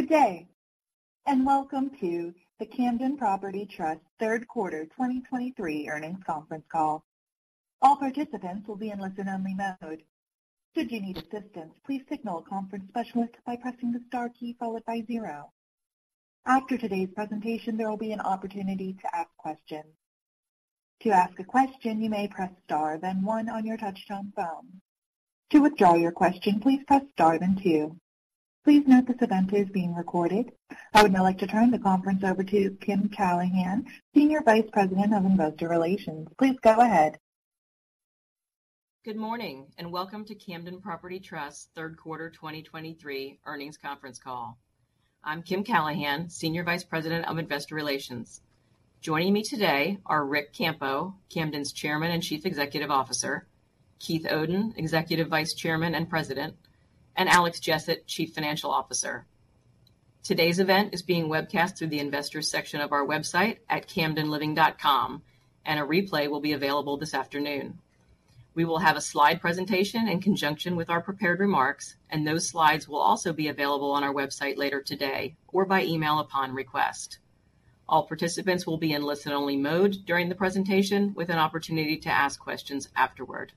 Good day, and welcome to the Camden Property Trust Q3 2023 Earnings Conference Call. All participants will be in listen-only mode. Should you need assistance, please signal a conference specialist by pressing the star key followed by 0. After today's presentation, there will be an opportunity to ask questions. To ask a question, you may press star, then one on your touchtone phone. To withdraw your question, please press star then 2. Please note this event is being recorded. I would now like to turn the conference over to Kim Callahan, Senior Vice President of Investor Relations. Please go ahead. Good morning, and welcome to Camden Property Trust Q3 2023 earnings conference call. I'm Kim Callahan, Senior Vice President of Investor Relations. Joining me today are Ric Campo, Camden's Chairman and Chief Executive Officer; Keith Oden, Executive Vice Chairman and President; and Alex Jessett, Chief Financial Officer. Today's event is being webcast through the investors section of our website at camdenliving.com, and a replay will be available this afternoon. We will have a slide presentation in conjunction with our prepared remarks, and those slides will also be available on our website later today or by email upon request. All participants will be in listen-only mode during the presentation, with an opportunity to ask questions afterward.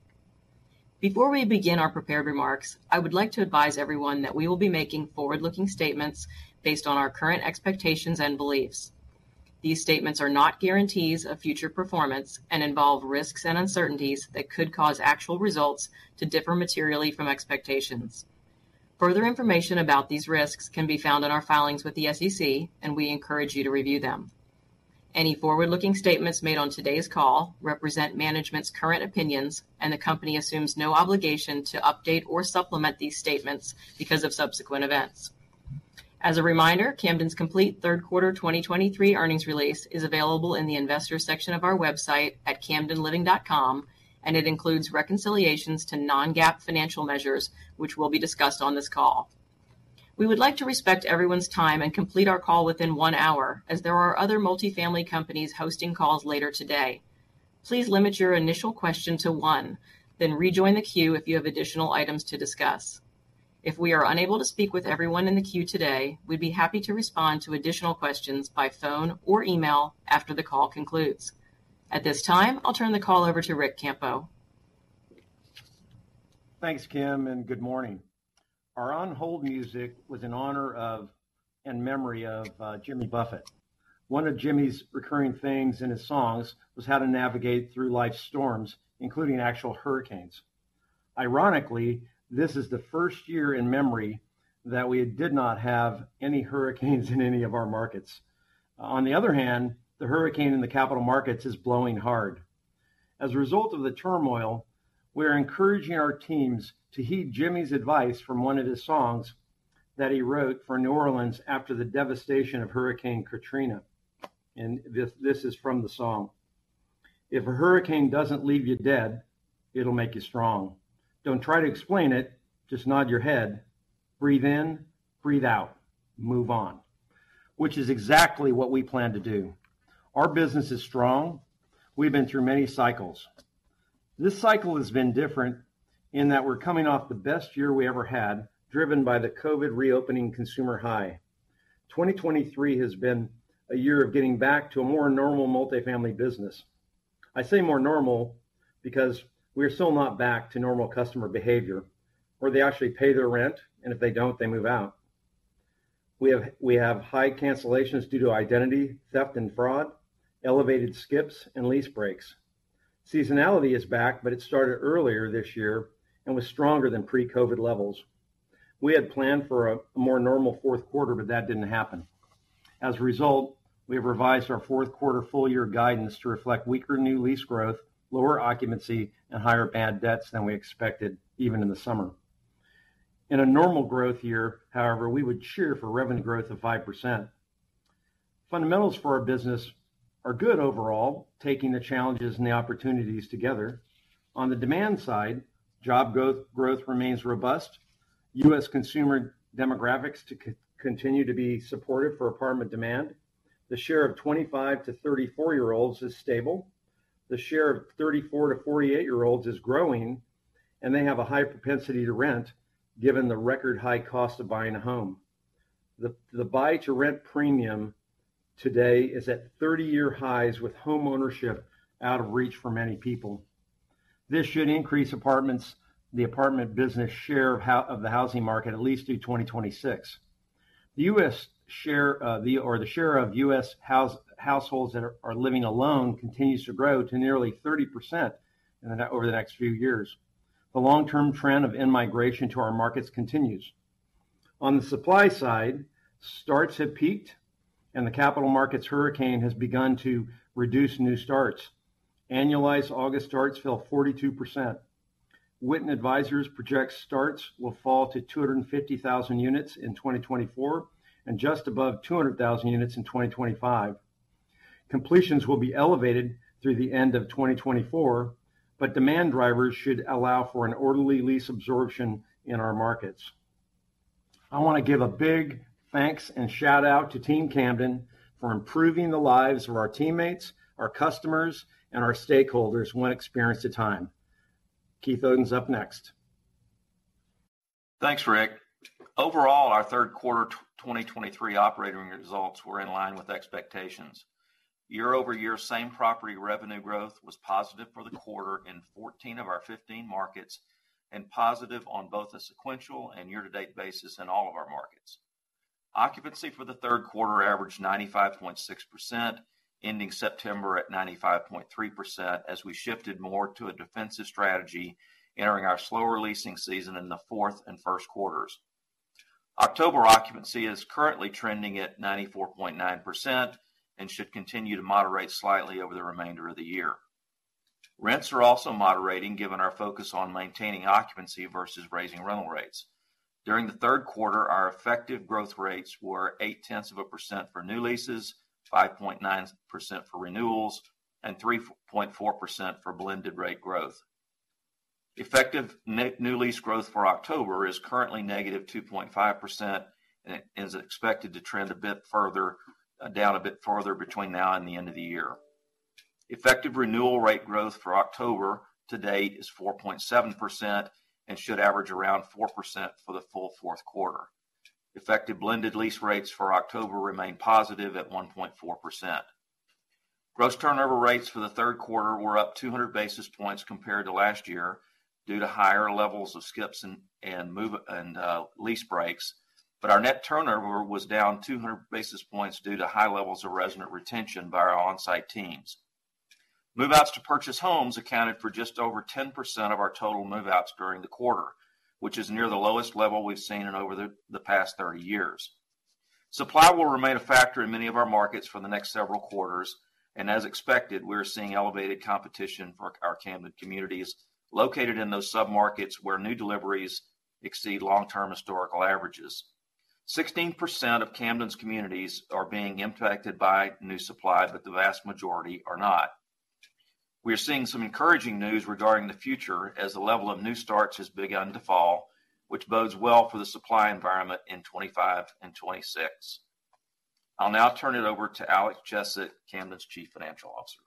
Before we begin our prepared remarks, I would like to advise everyone that we will be making forward-looking statements based on our current expectations and beliefs. These statements are not guarantees of future performance and involve risks and uncertainties that could cause actual results to differ materially from expectations. Further information about these risks can be found in our filings with the SEC, and we encourage you to review them. Any forward-looking statements made on today's call represent management's current opinions, and the company assumes no obligation to update or supplement these statements because of subsequent events. As a reminder, Camden's complete Q3 2023 earnings release is available in the investor section of our website at camdenliving.com, and it includes reconciliations to non-GAAP financial measures, which will be discussed on this call. We would like to respect everyone's time and complete our call within 1 hour, as there are other multifamily companies hosting calls later today. Please limit your initial question to one, then rejoin the queue if you have additional items to discuss. If we are unable to speak with everyone in the queue today, we'd be happy to respond to additional questions by phone or email after the call concludes. At this time, I'll turn the call over to Ric Campo. Thanks, Kim, and good morning. Our on-hold music was in honor of, and memory of, Jimmy Buffett. One of Jimmy's recurring themes in his songs was how to navigate through life's storms, including actual hurricanes. Ironically, this is the first year in memory that we did not have any hurricanes in any of our markets. On the other hand, the hurricane in the capital markets is blowing hard. As a result of the turmoil, we are encouraging our teams to heed Jimmy's advice from one of his songs that he wrote for New Orleans after the devastation of Hurricane Katrina, and this is from the song: "If a hurricane doesn't leave you dead, it'll make you strong. Don't try to explain it, just nod your head. Breathe in, breathe out, move on." Which is exactly what we plan to do. Our business is strong. We've been through many cycles. This cycle has been different in that we're coming off the best year we ever had, driven by the COVID reopening consumer high. 2023 has been a year of getting back to a more normal multifamily business. I say more normal because we are still not back to normal customer behavior, where they actually pay their rent, and if they don't, they move out. We have high cancellations due to identity theft and fraud, elevated skips, and lease breaks. Seasonality is back, but it started earlier this year and was stronger than pre-COVID levels. We had planned for a more normal Q4, but that didn't happen. As a result, we have revised our Q4 full year guidance to reflect weaker new lease growth, lower occupancy, and higher bad debts than we expected, even in the summer. In a normal growth year, however, we would cheer for revenue growth of 5%. Fundamentals for our business are good overall, taking the challenges and the opportunities together. On the demand side, job growth remains robust. US consumer demographics continue to be supportive for apartment demand. The share of 25- to 34-year-olds is stable. The share of 34- to 48-year-olds is growing, and they have a high propensity to rent, given the record high cost of buying a home. The buy to rent premium today is at 30-year highs, with homeownership out of reach for many people. This should increase the apartment business share of the housing market at least through 2026. The US share, or the share of US households that are living alone continues to grow to nearly 30% over the next few years. The long-term trend of in-migration to our markets continues. On the supply side, starts have peaked, and the capital markets hurricane has begun to reduce new starts. Annualized August starts fell 42%. Witten Advisors projects starts will fall to 250,000 units in 2024, and just above 200,000 units in 2025. Completions will be elevated through the end of 2024, but demand drivers should allow for an orderly lease absorption in our markets. I want to give a big thanks and shout-out to Team Camden for improving the lives of our teammates, our customers, and our stakeholders one experience at a time. Keith Oden's up next. Thanks, Ric. Overall, our Q3 2023 operating results were in line with expectations. Year-over-year, same property revenue growth was positive for the quarter in 14 of our 15 markets, and positive on both a sequential and year-to-date basis in all of our markets. Occupancy for the Q3 averaged 95.6%, ending September at 95.3%, as we shifted more to a defensive strategy, entering our slower leasing season in the Q4 and Q1. October occupancy is currently trending at 94.9% and should continue to moderate slightly over the remainder of the year. Rents are also moderating, given our focus on maintaining occupancy versus raising rental rates. During the Q3, our effective growth rates were 0.8% for new leases, 5.9% for renewals, and 3.4% for blended rate growth. Effective new lease growth for October is currently -2.5% and is expected to trend a bit further down a bit further between now and the end of the year. Effective renewal rate growth for October to date is 4.7% and should average around 4% for the full Q4. Effective blended lease rates for October remain positive at 1.4%. Gross turnover rates for the Q3 were up 200 basis points compared to last year due to higher levels of skips and lease breaks, but our net turnover was down 200 basis points due to high levels of resident retention by our on-site teams. Move-outs to purchase homes accounted for just over 10% of our total move-outs during the quarter, which is near the lowest level we've seen in over the past 30 years. Supply will remain a factor in many of our markets for the next several quarters, and as expected, we're seeing elevated competition for our Camden communities located in those submarkets where new deliveries exceed long-term historical averages. 16% of Camden's communities are being impacted by new supply, but the vast majority are not. We are seeing some encouraging news regarding the future as the level of new starts has begun to fall, which bodes well for the supply environment in 2025 and 2026. I'll now turn it over to Alex Jessett, Camden's Chief Financial Officer.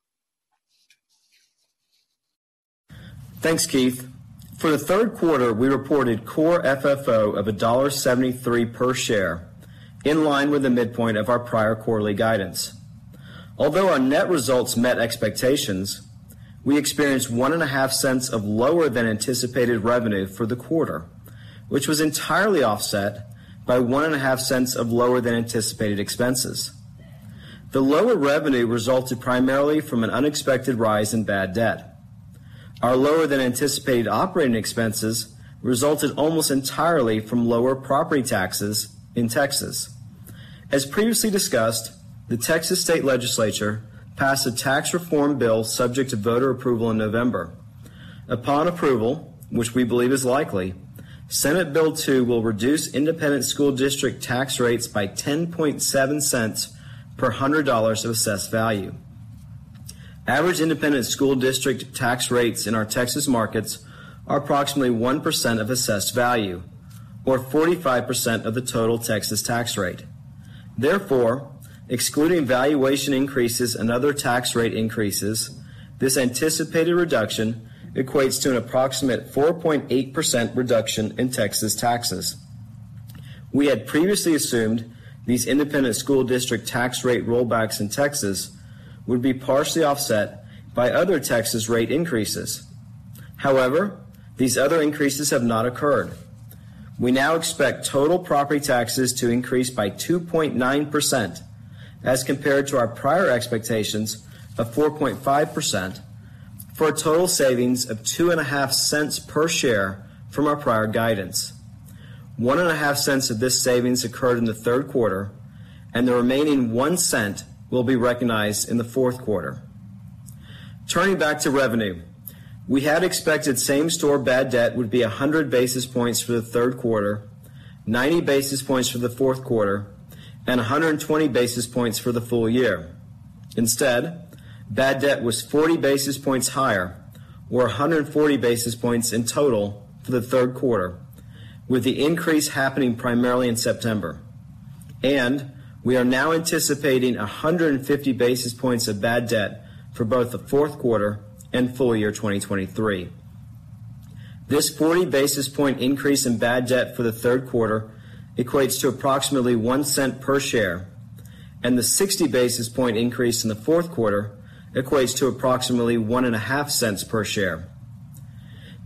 Thanks, Keith. For the Q3, we reported Core FFO of $73 per share, in line with the midpoint of our prior quarterly guidance. Although our net results met expectations, we experienced $0.015 of lower than anticipated revenue for the quarter, which was entirely offset by $0.015 of lower than anticipated expenses. The lower revenue resulted primarily from an unexpected rise in bad debt. Our lower than anticipated operating expenses resulted almost entirely from lower property taxes in Texas. As previously discussed, the Texas State Legislature passed a tax reform bill subject to voter approval in November. Upon approval, which we believe is likely, Senate Bill 2 will reduce independent school district tax rates by 10.7 cents per $100 of assessed value. Average independent school district tax rates in our Texas markets are approximately 1% of assessed value or 45% of the total Texas tax rate. Therefore, excluding valuation increases and other tax rate increases, this anticipated reduction equates to an approximate 4.8% reduction in Texas taxes. We had previously assumed these independent school district tax rate rollbacks in Texas would be partially offset by other Texas rate increases. However, these other increases have not occurred. We now expect total property taxes to increase by 2.9% as compared to our prior expectations of 4.5%, for a total savings of $0.025 per share from our prior guidance. $0.015 of this savings occurred in the Q3, and the remaining $0.01 will be recognized in the Q4. Turning back to revenue, we had expected same store bad debt would be 100 basis points for the Q3, 90 basis points for the Q4, and 120 basis points for the full year. Instead, bad debt was 40 basis points higher, or 140 basis points in total for the Q3, with the increase happening primarily in September. We are now anticipating 150 basis points of bad debt for both the Q4 and full year 2023. This 40 basis point increase in bad debt for the Q3 equates to approximately $0.01 per share, and the 60 basis point increase in the Q4 equates to approximately $0.015 per share.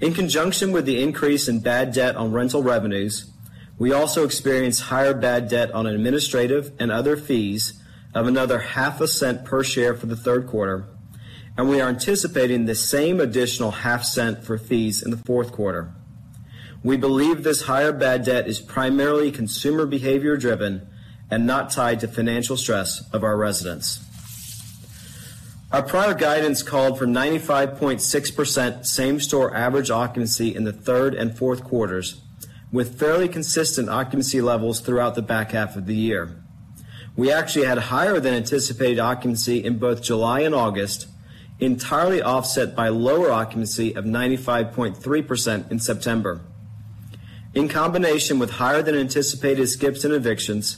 In conjunction with the increase in bad debt on rental revenues, we also experienced higher bad debt on administrative and other fees of another $0.005 per share for the Q3, and we are anticipating the same additional $0.005 for fees in the Q4. We believe this higher bad debt is primarily consumer behavior driven and not tied to financial stress of our residents. Our prior guidance called for 95.6% same-store average occupancy in the third and fourth quarters, with fairly consistent occupancy levels throughout the back half of the year. We actually had higher than anticipated occupancy in both July and August, entirely offset by lower occupancy of 95.3% in September. In combination with higher than anticipated skips and evictions,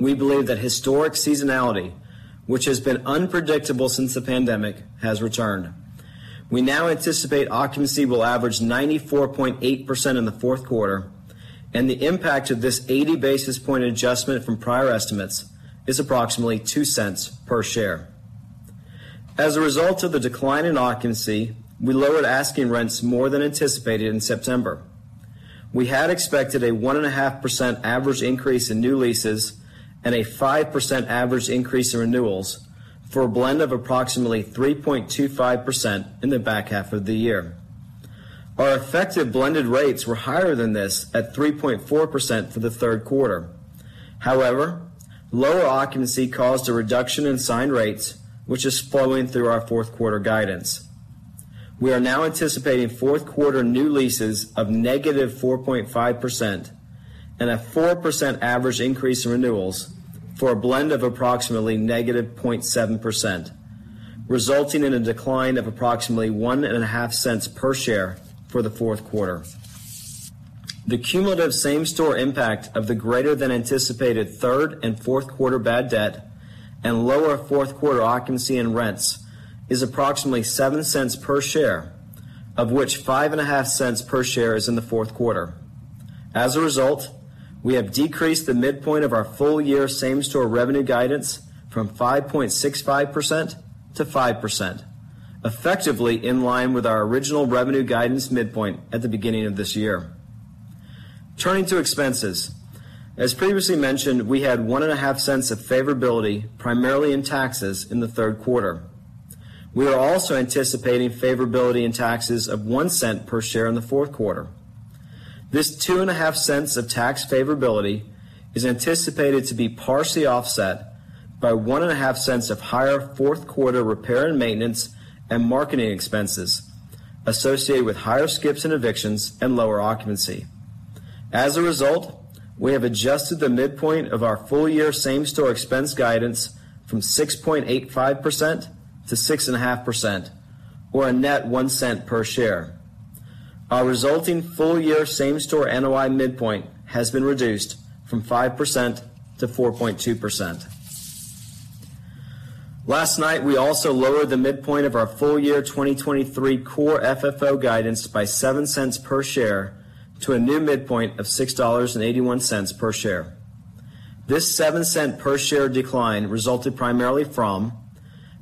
we believe that historic seasonality, which has been unpredictable since the pandemic, has returned. We now anticipate occupancy will average 94.8% in the Q4, and the impact of this 80 basis points adjustment from prior estimates is approximately $0.02 per share. As a result of the decline in occupancy, we lowered asking rents more than anticipated in September. We had expected a 1.5% average increase in new leases and a 5% average increase in renewals for a blend of approximately 3.25% in the back half of the year. Our effective blended rates were higher than this, at 3.4% for the Q3. However, lower occupancy caused a reduction in signed rates, which is flowing through our Q4 guidance. We are now anticipating Q4 new leases of -4.5% and a 4% average increase in renewals for a blend of approximately -0.7%, resulting in a decline of approximately 1.5 cents per share for the Q4. The cumulative same-store impact of the greater than anticipated third and Q4 bad debt and lower Q4 occupancy and rents is approximately 7 cents per share, of which 5.5 cents per share is in the Q4. As a result, we have decreased the midpoint of our full-year same-store revenue guidance from 5.65% to 5%, effectively in line with our original revenue guidance midpoint at the beginning of this year. Turning to expenses. As previously mentioned, we had $0.015 of favorability, primarily in taxes in the Q3. We are also anticipating favorability in taxes of $0.01 per share in the Q4. This $0.025 of tax favorability is anticipated to be partially offset by $0.015 of higher Q4 repair and maintenance and marketing expenses associated with higher skips and evictions and lower occupancy. As a result, we have adjusted the midpoint of our full-year same-store expense guidance from 6.85% to 6.5%, or a net $0.01 per share. Our resulting full-year same-store NOI midpoint has been reduced from 5% to 4.2%. Last night, we also lowered the midpoint of our full-year 2023 core FFO guidance by $0.07 per share to a new midpoint of $6.81 per share. This $0.07 per share decline resulted primarily from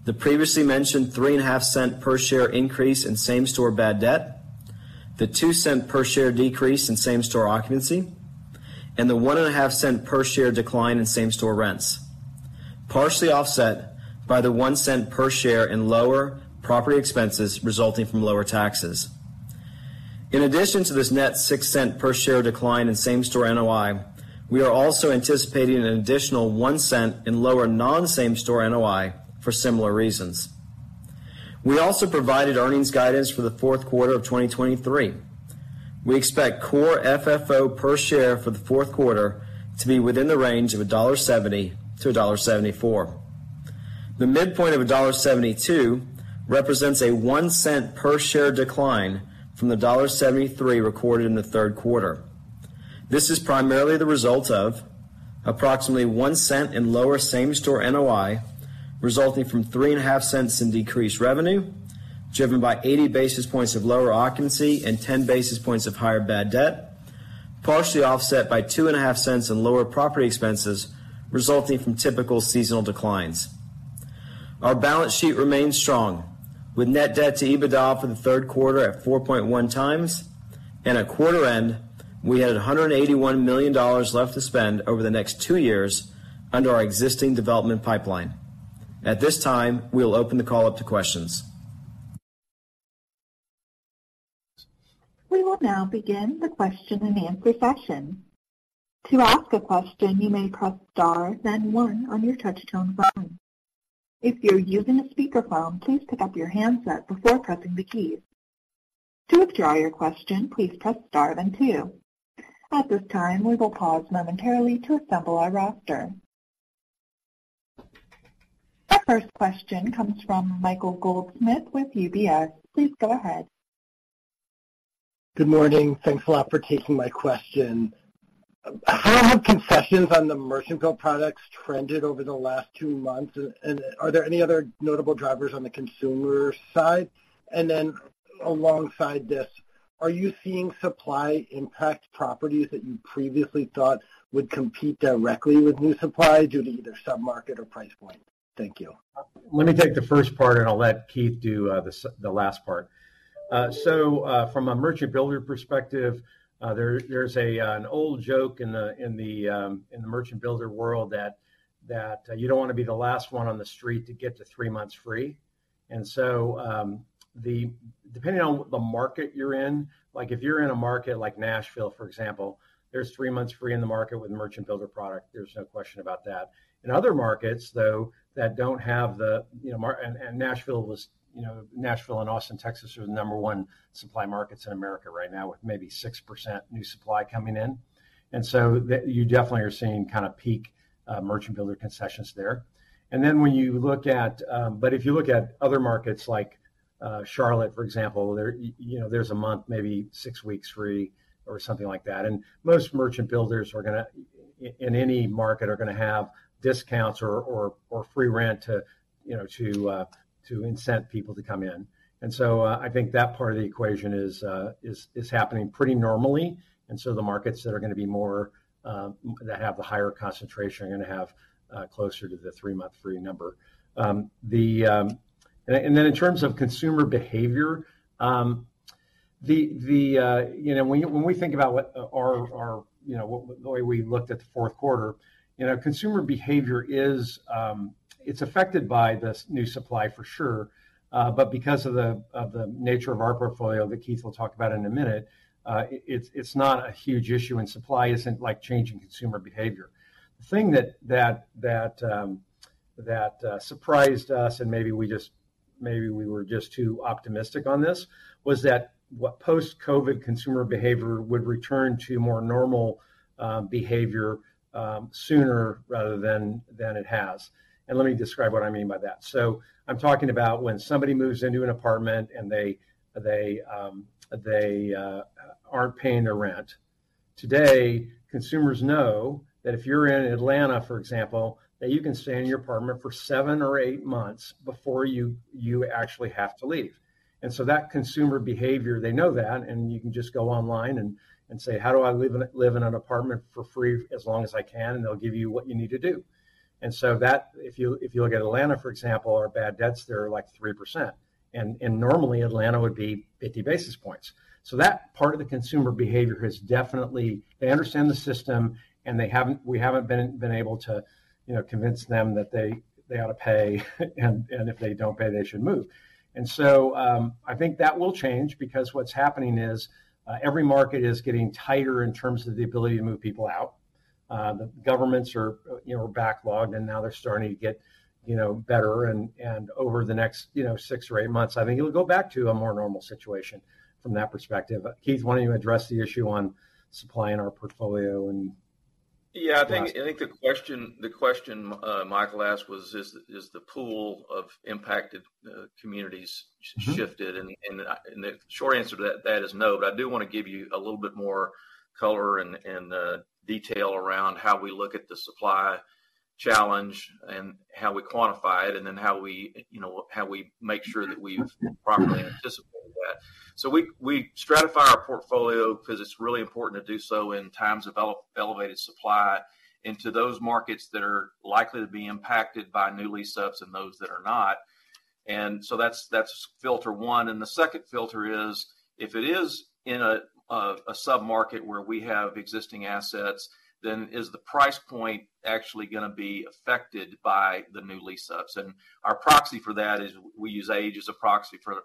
the previously mentioned $0.035 per share increase in same-store bad debt, the $0.02 per share decrease in same-store occupancy, and the $0.015 per share decline in same-store rents, partially offset by the $0.01 per share in lower property expenses resulting from lower taxes. In addition to this net $0.06 per share decline in same-store NOI, we are also anticipating an additional $0.01 in lower non-same-store NOI for similar reasons. We also provided earnings guidance for the Q4 of 2023. We expect core FFO per share for the Q4 to be within the range of $70-$74. The midpoint of $72 represents a $0.01 per share decline from the $73 recorded in the Q3. This is primarily the result of approximately $0.01 in lower same-store NOI, resulting from $0.035 in decreased revenue, driven by 80 basis points of lower occupancy and 10 basis points of higher bad debt, partially offset by $0.025 in lower property expenses resulting from typical seasonal declines. Our balance sheet remains strong, with net debt to EBITDA for the Q3 at 4.1 times, and at quarter end, we had $181 million left to spend over the next two years under our existing development pipeline. At this time, we'll open the call up to questions. We will now begin the question-and-answer session. To ask a question, you may press star, then one on your touchtone phone. If you're using a speakerphone, please pick up your handset before pressing the key. To withdraw your question, please press star then two. At this time, we will pause momentarily to assemble our roster. Our first question comes from Michael Goldsmith with UBS. Please go ahead. Good morning. Thanks a lot for taking my question. How have concessions on the merchant build products trended over the last two months, and are there any other notable drivers on the consumer side? And then alongside this, are you seeing supply impact properties that you previously thought would compete directly with new supply due to either sub-market or price point? Thank you. Let me take the first part, and I'll let Keith do the last part. From a merchant builder perspective, there's an old joke in the merchant builder world that you don't want to be the last one on the street to get the three months free. Depending on the market you're in, like, if you're in a market like Nashville, for example, there's three months free in the market with merchant builder product. There's no question about that. In other markets, though, that don't have the, you know, mar— and Nashville was, you know, Nashville and Austin, Texas, are the number one supply markets in America right now, with maybe 6% new supply coming in. The... You definitely are seeing kind of peak merchant builder concessions there. When you look at other markets like Charlotte, for example, there, you know, there's a month, maybe six weeks free or something like that. Most merchant builders are gonna, in any market, are gonna have discounts or, or, or free rent to, you know, to incent people to come in. I think that part of the equation is, is happening pretty normally. The markets that are gonna be more, that have the higher concentration, are gonna have closer to the three-month free number. In terms of consumer behavior, you know, when we think about what our, our, you know, what... The way we looked at the Q4, you know, consumer behavior is, it's affected by this new supply for sure. But because of the nature of our portfolio that Keith will talk about in a minute, it's not a huge issue, and supply isn't, like, changing consumer behavior. The thing that surprised us, and maybe we were just too optimistic on this, was that post-COVID consumer behavior would return to more normal behavior sooner rather than it has. Let me describe what I mean by that. I'm talking about when somebody moves into an apartment, and they aren't paying their rent. Today, consumers know that if you're in Atlanta, for example, that you can stay in your apartment for 7 or 8 months before you, you actually have to leave. And so that consumer behavior, they know that, and you can just go online and say, "How do I live in a, live in an apartment for free as long as I can?" And they'll give you what you need to do. And so that, if you, if you look at Atlanta, for example, our bad debts there are, like, 3%. And normally Atlanta would be 50 basis points. So that part of the consumer behavior has definitely... They understand the system, and they haven't—we haven't been able to, you know, convince them that they, they ought to pay, and if they don't pay, they should move. I think that will change because what's happening is, you know, every market is getting tighter in terms of the ability to move people out. The governments are, you know, backlogged, and now they're starting to get, you know, better, and over the next, you know, six or eight months, I think it'll go back to a more normal situation from that perspective. Keith, why don't you address the issue on supply in our portfolio and- Yeah, I think-... last- I think the question, the question, Michael asked was, is the, is the pool of impacted, communities- Mm-hmm... shifted, and the short answer to that is no. But I do wanna give you a little bit more color and detail around how we look at the supply challenge and how we quantify it, and then how we, you know, how we make sure that we've properly anticipated that. So we stratify our portfolio 'cause it's really important to do so in times of elevated supply, into those markets that are likely to be impacted by new lease-ups and those that are not. And so that's filter one. And the second filter is, if it is in a submarket where we have existing assets, then is the price point actually gonna be affected by the new lease-ups? Our proxy for that is we use age as a proxy for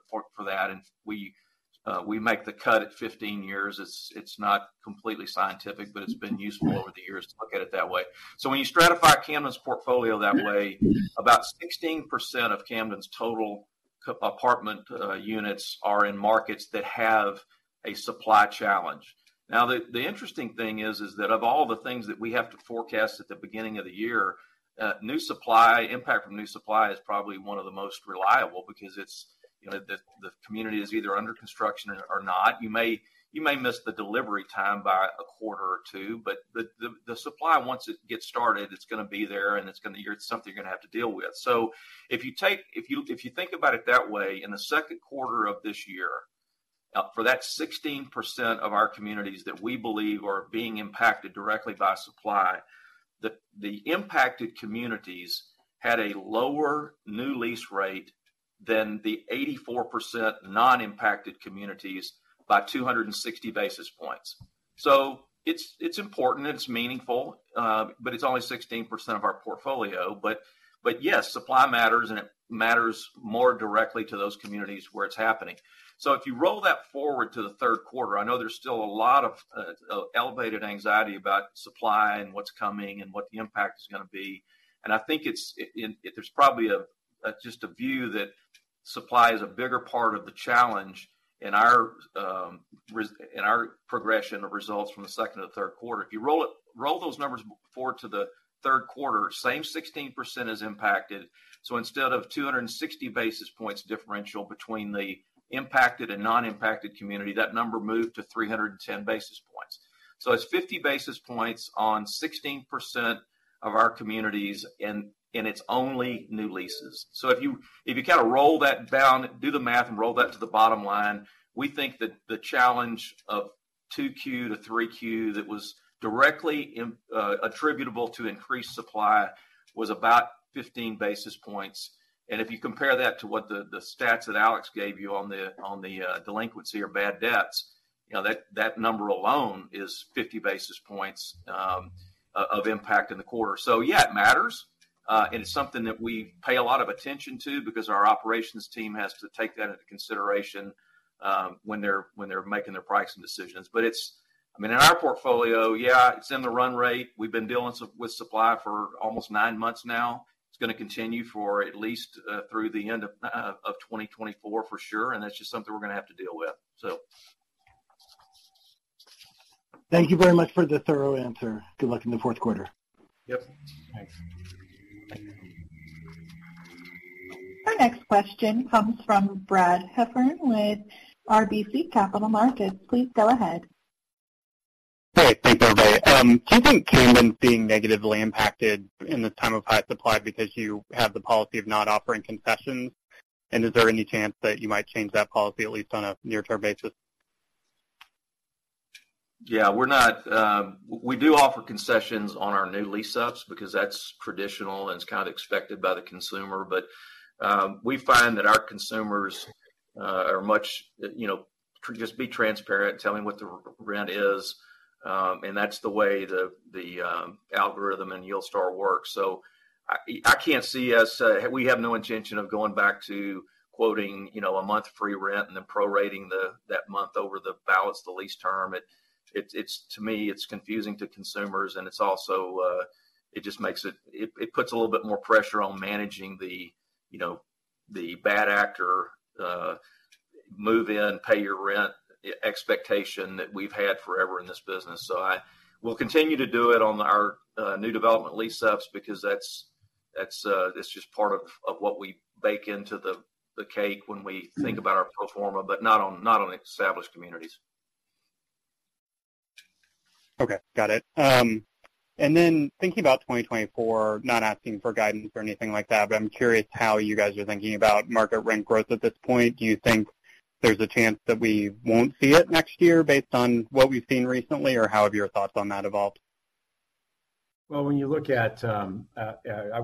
that, and we make the cut at 15 years. It's not completely scientific, but it's been useful over the years to look at it that way. So when you stratify Camden's portfolio that way, about 16% of Camden's total apartment units are in markets that have a supply challenge. Now, the interesting thing is that of all the things that we have to forecast at the beginning of the year, new supply, impact from new supply is probably one of the most reliable because it's, you know, the community is either under construction or not. You may, you may miss the delivery time by a quarter or two, but the supply, once it gets started, it's gonna be there, and it's gonna... it's something you're gonna have to deal with. So if you take... If you think about it that way, in the Q2 of this year, for that 16% of our communities that we believe are being impacted directly by supply, the impacted communities had a lower new lease rate than the 84% non-impacted communities by 260 basis points. So it's important, and it's meaningful, but it's only 16% of our portfolio. But yes, supply matters, and it matters more directly to those communities where it's happening. So if you roll that forward to the Q3, I know there's still a lot of elevated anxiety about supply and what's coming and what the impact is gonna be, and I think it's and there's probably just a view that supply is a bigger part of the challenge in our progression of results from the second to Q3. If you roll it, roll those numbers forward to the Q3, same 16% is impacted. So instead of 260 basis points differential between the impacted and non-impacted community, that number moved to 310 basis points. So it's 50 basis points on 16% of our communities, and it's only new leases. So if you, if you kinda roll that down, do the math, and roll that to the bottom line, we think that the challenge of 2Q to 3Q that was directly attributable to increased supply was about 15 basis points. And if you compare that to what the, the stats that Alex gave you on the, on the, delinquency or bad debts, you know, that, that number alone is 50 basis points, of impact in the quarter. So yeah, it matters, and it's something that we pay a lot of attention to because our operations team has to take that into consideration, when they're, when they're making their pricing decisions. But it's... I mean, in our portfolio, yeah, it's in the run rate. We've been dealing with supply for almost 9 months now. It's gonna continue for at least through the end of 2024, for sure, and that's just something we're gonna have to deal with. So-... Thank you very much for the thorough answer. Good luck in the Q4. Yep. Thanks. Our next question comes from Brad Heffern with RBC Capital Markets. Please go ahead. Hey, thanks, everybody. Do you think Camden's being negatively impacted in this time of high supply because you have the policy of not offering concessions? And is there any chance that you might change that policy, at least on a near-term basis? Yeah, we're not... We do offer concessions on our new lease-ups because that's traditional, and it's kind of expected by the consumer. But, we find that our consumers are much, you know, just be transparent, tell me what the rent is, and that's the way the algorithm and YieldStar works. So I can't see us-- we have no intention of going back to quoting, you know, a month free rent and then prorating that month over the balance of the lease term. It's, to me, it's confusing to consumers, and it's also, it just makes it-- it puts a little bit more pressure on managing the, you know, the bad actor move in, pay your rent expectation that we've had forever in this business. So we'll continue to do it on our new development lease-ups, because that's just part of what we bake into the cake when we think about our pro forma, but not on established communities. Okay, got it. And then thinking about 2024, not asking for guidance or anything like that, but I'm curious how you guys are thinking about market rent growth at this point. Do you think there's a chance that we won't see it next year based on what we've seen recently, or how have your thoughts on that evolved? Well, when you look at,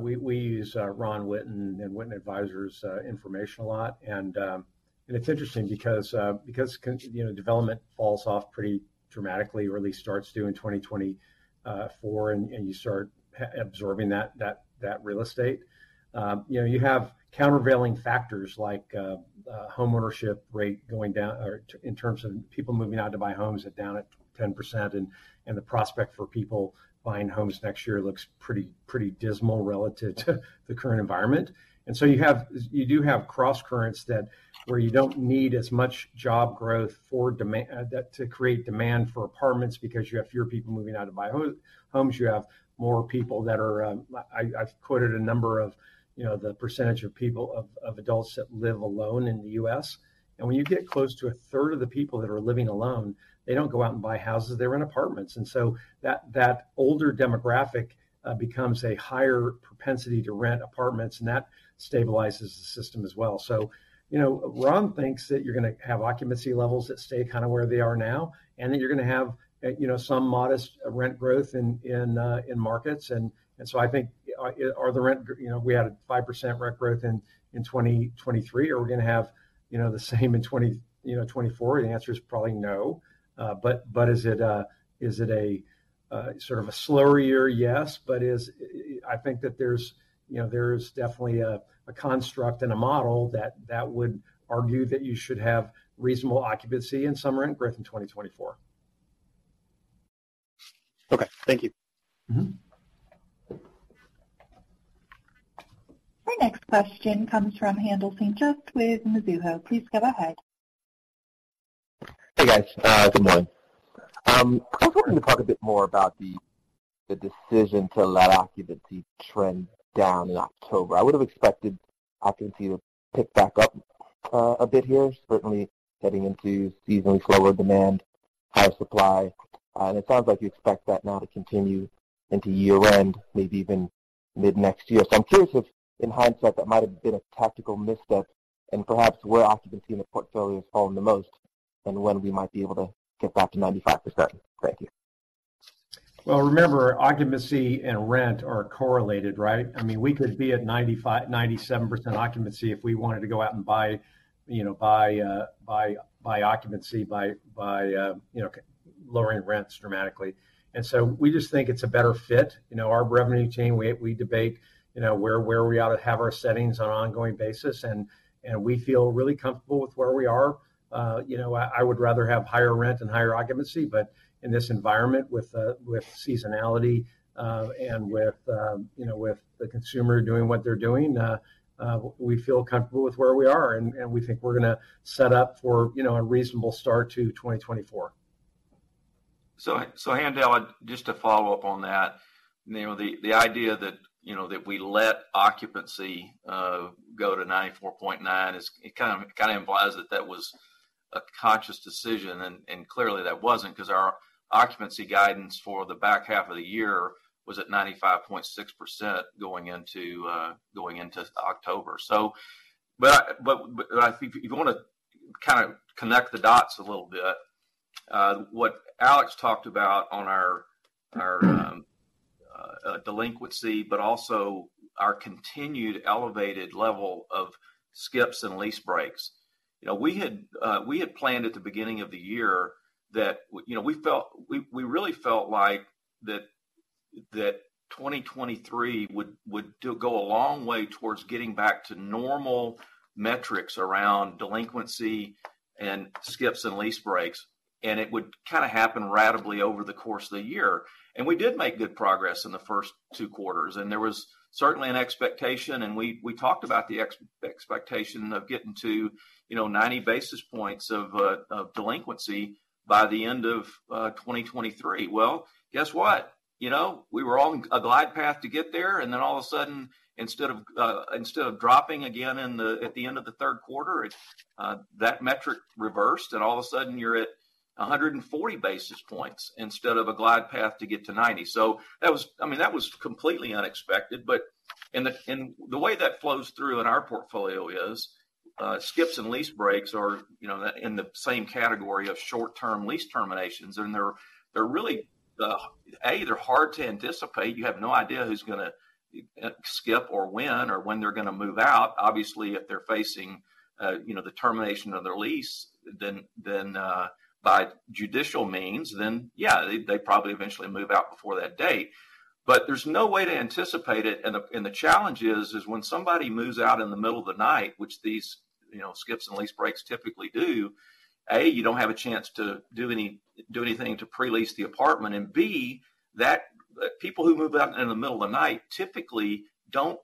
we use Ron Witten and Witten Advisors' information a lot, and it's interesting because, you know, development falls off pretty dramatically, or at least starts to in 2024, and you start absorbing that real estate. You know, you have countervailing factors like homeownership rate going down or in terms of people moving out to buy homes are down at 10%, and the prospect for people buying homes next year looks pretty dismal relative to the current environment. And so you have, you do have crosscurrents that, where you don't need as much job growth for demand, that to create demand for apartments because you have fewer people moving out to buy homes. You have more people that are... I've quoted a number of, you know, the percentage of people, of adults that live alone in the U.S. And when you get close to a third of the people that are living alone, they don't go out and buy houses, they rent apartments. And so that older demographic becomes a higher propensity to rent apartments, and that stabilizes the system as well. So, you know, Ron thinks that you're gonna have occupancy levels that stay kind of where they are now, and that you're gonna have, you know, some modest rent growth in markets. And so I think, are the rent, you know, we had a 5% rent growth in 2023, are we gonna have, you know, the same in 2024? The answer is probably no. But is it a sort of a slower year? Yes, but is... I think that there's, you know, there is definitely a construct and a model that would argue that you should have reasonable occupancy and some rent growth in 2024. Okay. Thank you. Mm-hmm. Our next question comes from Haendel St. Juste with Mizuho. Please go ahead. Hey, guys, good morning. I was hoping to talk a bit more about the decision to let occupancy trend down in October. I would've expected occupancy to pick back up, a bit here, certainly heading into seasonally lower demand, higher supply. It sounds like you expect that now to continue into year-end, maybe even mid-next year. So I'm curious if, in hindsight, that might have been a tactical misstep and perhaps where occupancy in the portfolio is falling the most and when we might be able to get back to 95%. Thank you. Well, remember, occupancy and rent are correlated, right? I mean, we could be at 95%-97% occupancy if we wanted to go out and buy occupancy by lowering rents dramatically. And so we just think it's a better fit. You know, our revenue team, we debate where we ought to have our settings on an ongoing basis, and we feel really comfortable with where we are. You know, I would rather have higher rent and higher occupancy, but in this environment, with seasonality and with the consumer doing what they're doing, we feel comfortable with where we are, and we think we're gonna set up for a reasonable start to 2024. Handel, just to follow up on that, you know, the idea that, you know, that we let occupancy go to 94.9% is, it kind of, it kind of implies that that was a conscious decision, and clearly that wasn't, 'cause our occupancy guidance for the back half of the year was at 95.6% going into October. So if you wanna kind of connect the dots a little bit, what Alex talked about on our delinquency, but also our continued elevated level of skips and lease breaks. You know, we had planned at the beginning of the year that, you know, we felt, we really felt like that, that 2023 would go a long way towards getting back to normal metrics around delinquency and skips and lease breaks, and it would kind of happen ratably over the course of the year. And we did make good progress in the first two quarters, and there was certainly an expectation, and we talked about the expectation of getting to, you know, 90 basis points of delinquency by the end of 2023. Well, guess what? You know, we were on a glide path to get there, and then all of a sudden, instead of dropping again in the at the end of the Q3, that metric reversed, and all of a sudden, you're at 140 basis points instead of a glide path to get to 90. So that was. I mean, that was completely unexpected. But the way that flows through in our portfolio is, skips and lease breaks are, you know, in the same category of short-term lease terminations, and they're really the. They're hard to anticipate. You have no idea who's gonna skip or when, or when they're gonna move out. Obviously, if they're facing, you know, the termination of their lease, then by judicial means, then yeah, they probably eventually move out before that date. But there's no way to anticipate it, and the challenge is when somebody moves out in the middle of the night, which these, you know, skips and lease breaks typically do. A, you don't have a chance to do anything to pre-lease the apartment, and B, that people who move out in the middle of the night typically don't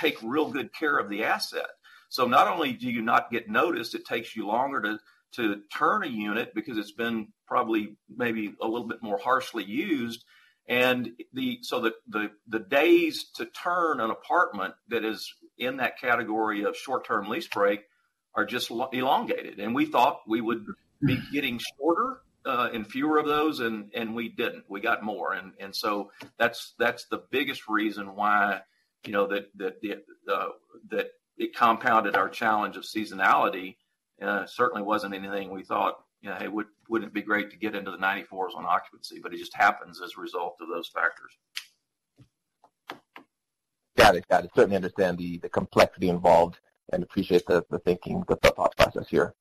take real good care of the asset. So not only do you not get notice, it takes you longer to turn a unit because it's been probably maybe a little bit more harshly used, and so the days to turn an apartment that is in that category of short-term lease break are just elongated. And we thought we would be getting shorter and fewer of those, and so that's the biggest reason why, you know, that it compounded our challenge of seasonality, certainly wasn't anything we thought, you know, "Hey, wouldn't it be great to get into the 94s on occupancy?" But it just happens as a result of those factors. Got it. Got it. Certainly understand the complexity involved and appreciate the thinking, the thought process here.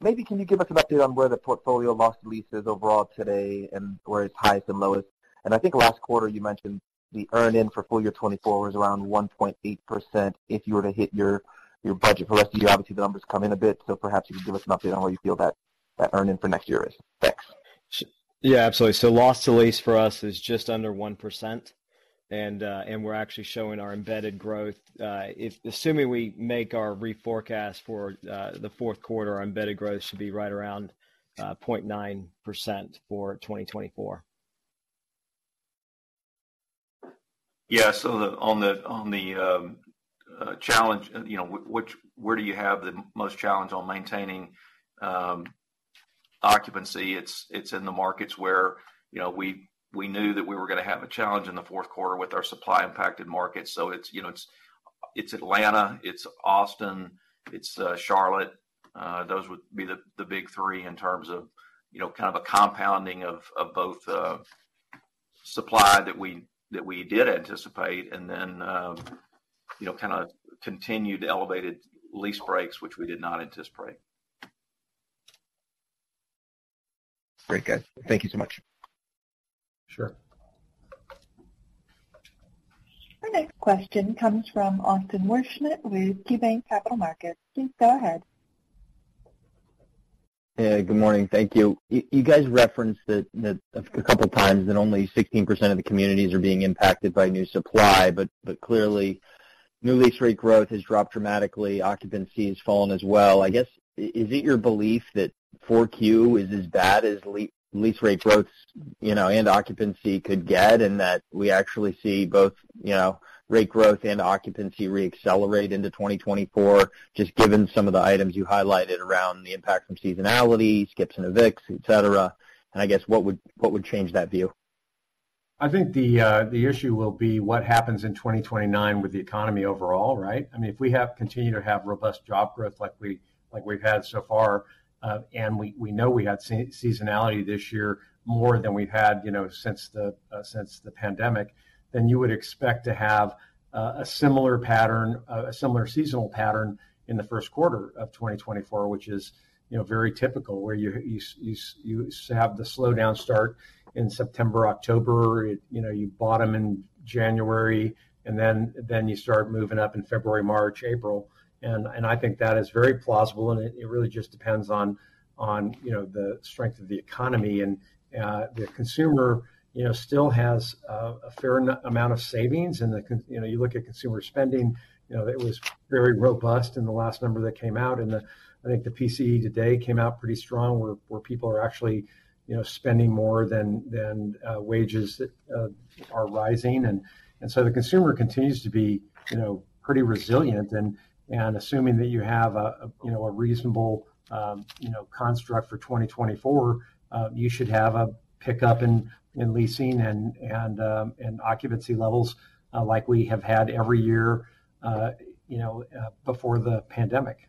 Maybe can you give us an update on where the portfolio loss to lease is overall today and where it's highest and lowest? And I think last quarter you mentioned the earn-in for full year 2024 was around 1.8% if you were to hit your budget. For the rest of the year, obviously, the numbers come in a bit, so perhaps you can give us an update on where you feel that earn-in for next year is. Thanks. Yeah, absolutely. So loss to lease for us is just under 1%, and we're actually showing our embedded growth. If assuming we make our reforecast for the Q4, our embedded growth should be right around 0.9% for 2024. Yeah. So on the challenge, you know, which where do you have the most challenge on maintaining occupancy? It's in the markets where, you know, we knew that we were gonna have a challenge in the Q4 with our supply-impacted markets. So it's, you know, it's Atlanta, it's Austin, it's Charlotte. Those would be the big three in terms of, you know, kind of a compounding of both supply that we did anticipate, and then, you know, kind of continued elevated lease breaks, which we did not anticipate. Great, guys. Thank you so much. Sure. Our next question comes from Austin Wurschmidt with KeyBanc Capital Markets. Please go ahead. Yeah, good morning. Thank you. You guys referenced that a couple of times, that only 16% of the communities are being impacted by new supply, but clearly, new lease rate growth has dropped dramatically, occupancy has fallen as well. I guess, is it your belief that 4Q is as bad as lease rate growth, you know, and occupancy could get, and that we actually see both, you know, rate growth and occupancy re-accelerate into 2024, just given some of the items you highlighted around the impact from seasonality, skips and evicts, et cetera? And I guess, what would change that view? I think the issue will be what happens in 2029 with the economy overall, right? I mean, if we have, continue to have robust job growth like we, like we've had so far, and we know we had seasonality this year more than we've had, you know, since the pandemic, then you would expect to have a similar pattern, a similar seasonal pattern in the Q1 of 2024, which is, you know, very typical, where you have the slowdown start in September, October, you know, you bottom in January, and then you start moving up in February, March, April. I think that is very plausible, and it really just depends on, you know, the strength of the economy. The consumer, you know, still has a fair amount of savings, and the consumer, you know, you look at consumer spending, you know, it was very robust in the last number that came out. I think the PCE today came out pretty strong, where people are actually, you know, spending more than wages are rising. So the consumer continues to be, you know, pretty resilient, and assuming that you have a, you know, a reasonable, you know, construct for 2024, you should have a pickup in leasing and occupancy levels, like we have had every year, you know, before the pandemic.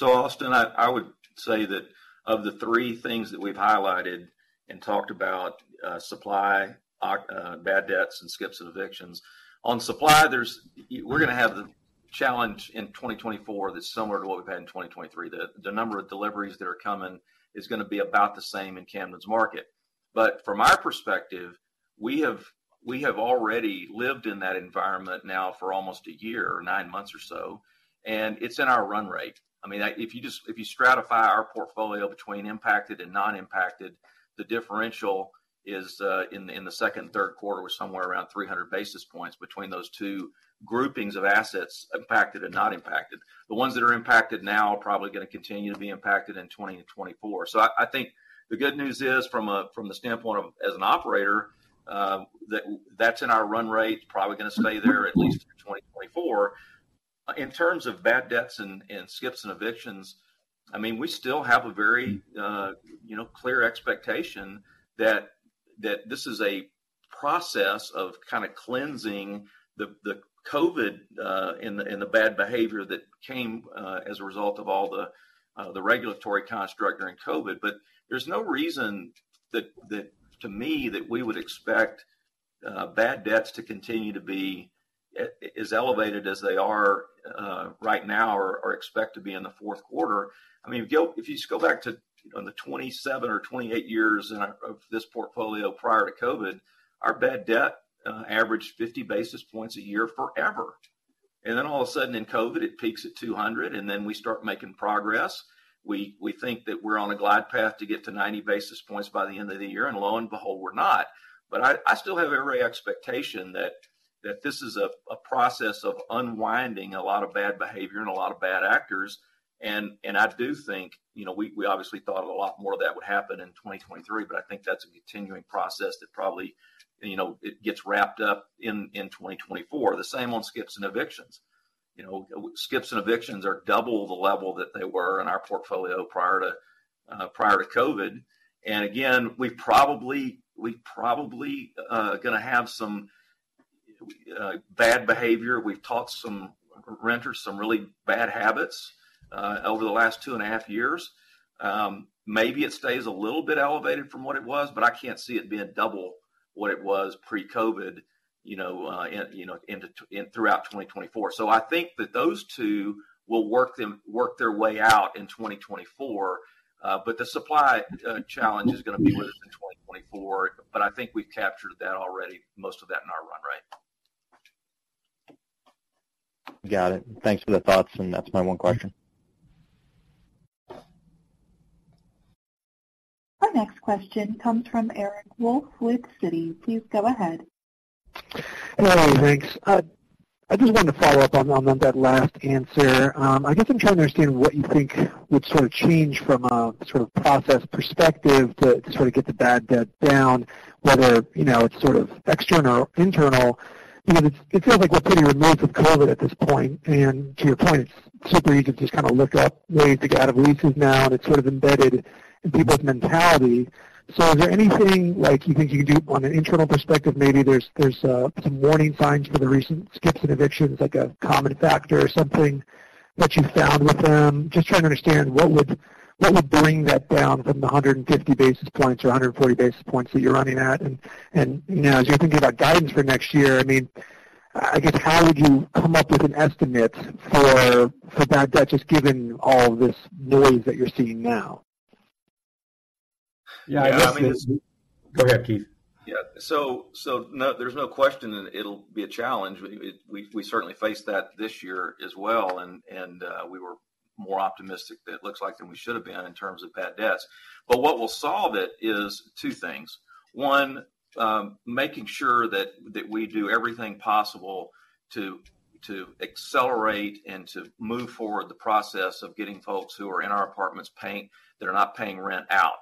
Austin, I would say that of the three things that we've highlighted and talked about, supply, bad debts, and skips and evictions. On supply, we're gonna have the challenge in 2024 that's similar to what we've had in 2023. The number of deliveries that are coming is gonna be about the same in Camden's market. From our perspective, we have already lived in that environment now for almost a year or nine months or so, and it's in our run rate. I mean, if you just—if you stratify our portfolio between impacted and non-impacted, the differential is, in the second and Q3, was somewhere around 300 basis points between those two groupings of assets, impacted and not impacted. The ones that are impacted now are probably gonna continue to be impacted in 2024. So I think the good news is, from the standpoint of as an operator, that that's in our run rate, it's probably gonna stay there at least through 2024. In terms of bad debts and skips and evictions, I mean, we still have a very, you know, clear expectation that this is a process of kind of cleansing the COVID and the bad behavior that came as a result of all the regulatory construct during COVID. But there's no reason that, to me, we would expect bad debts to continue to be as elevated as they are right now, or expect to be in the Q4. I mean, if you just go back to, you know, the 27 or 28 years in of, of this portfolio prior to COVID, our bad debt averaged 50 basis points a year forever. And then all of a sudden in COVID, it peaks at 200, and then we start making progress. We, we think that we're on a glide path to get to 90 basis points by the end of the year, and lo and behold, we're not. But I, I still have every expectation that, that this is a, a process of unwinding a lot of bad behavior and a lot of bad actors. And, and I do think, you know, we, we obviously thought a lot more of that would happen in 2023, but I think that's a continuing process that probably, you know, it gets wrapped up in, in 2024. The same on skips and evictions. You know, skips and evictions are double the level that they were in our portfolio prior to, prior to COVID. And again, we've probably gonna have some bad behavior. We've taught some renters some really bad habits over the last two and a half years. Maybe it stays a little bit elevated from what it was, but I can't see it being double what it was pre-COVID, you know, in, you know, into in throughout 2024. So I think that those two will work their way out in 2024. But the supply challenge is gonna be with us in 2024, but I think we've captured that already, most of that in our run rate. Got it. Thanks for the thoughts, and that's my one question. Our next question comes from Eric Wolfe with Citi. Please go ahead. Hello, thanks. I just wanted to follow up on that last answer. I guess I'm trying to understand what you think would sort of change from a sort of process perspective to sort of get the bad debt down, whether, you know, it's sort of external or internal, because it feels like we're pretty removed with COVID at this point, and to your point, it's super easy to just kind of look up ways to get out of leases now, and it's sort of embedded in people's mentality. So is there anything, like, you think you can do on an internal perspective? Maybe there's some warning signs for the recent skips and evictions, like a common factor or something that you found with them? Just trying to understand what would, what would bring that down from the 150 basis points or 140 basis points that you're running at. And, and, you know, as you're thinking about guidance for next year, I mean, I guess, how would you come up with an estimate for, for bad debt, just given all this noise that you're seeing now? Yeah, I mean- Go ahead, Keith. Yeah. So no, there's no question, and it'll be a challenge. We certainly faced that this year as well, and we were more optimistic than it looks like we should have been in terms of bad debts. But what will solve it is two things. One, making sure that we do everything possible to accelerate and to move forward the process of getting folks who are in our apartments paying, that are not paying rent, out.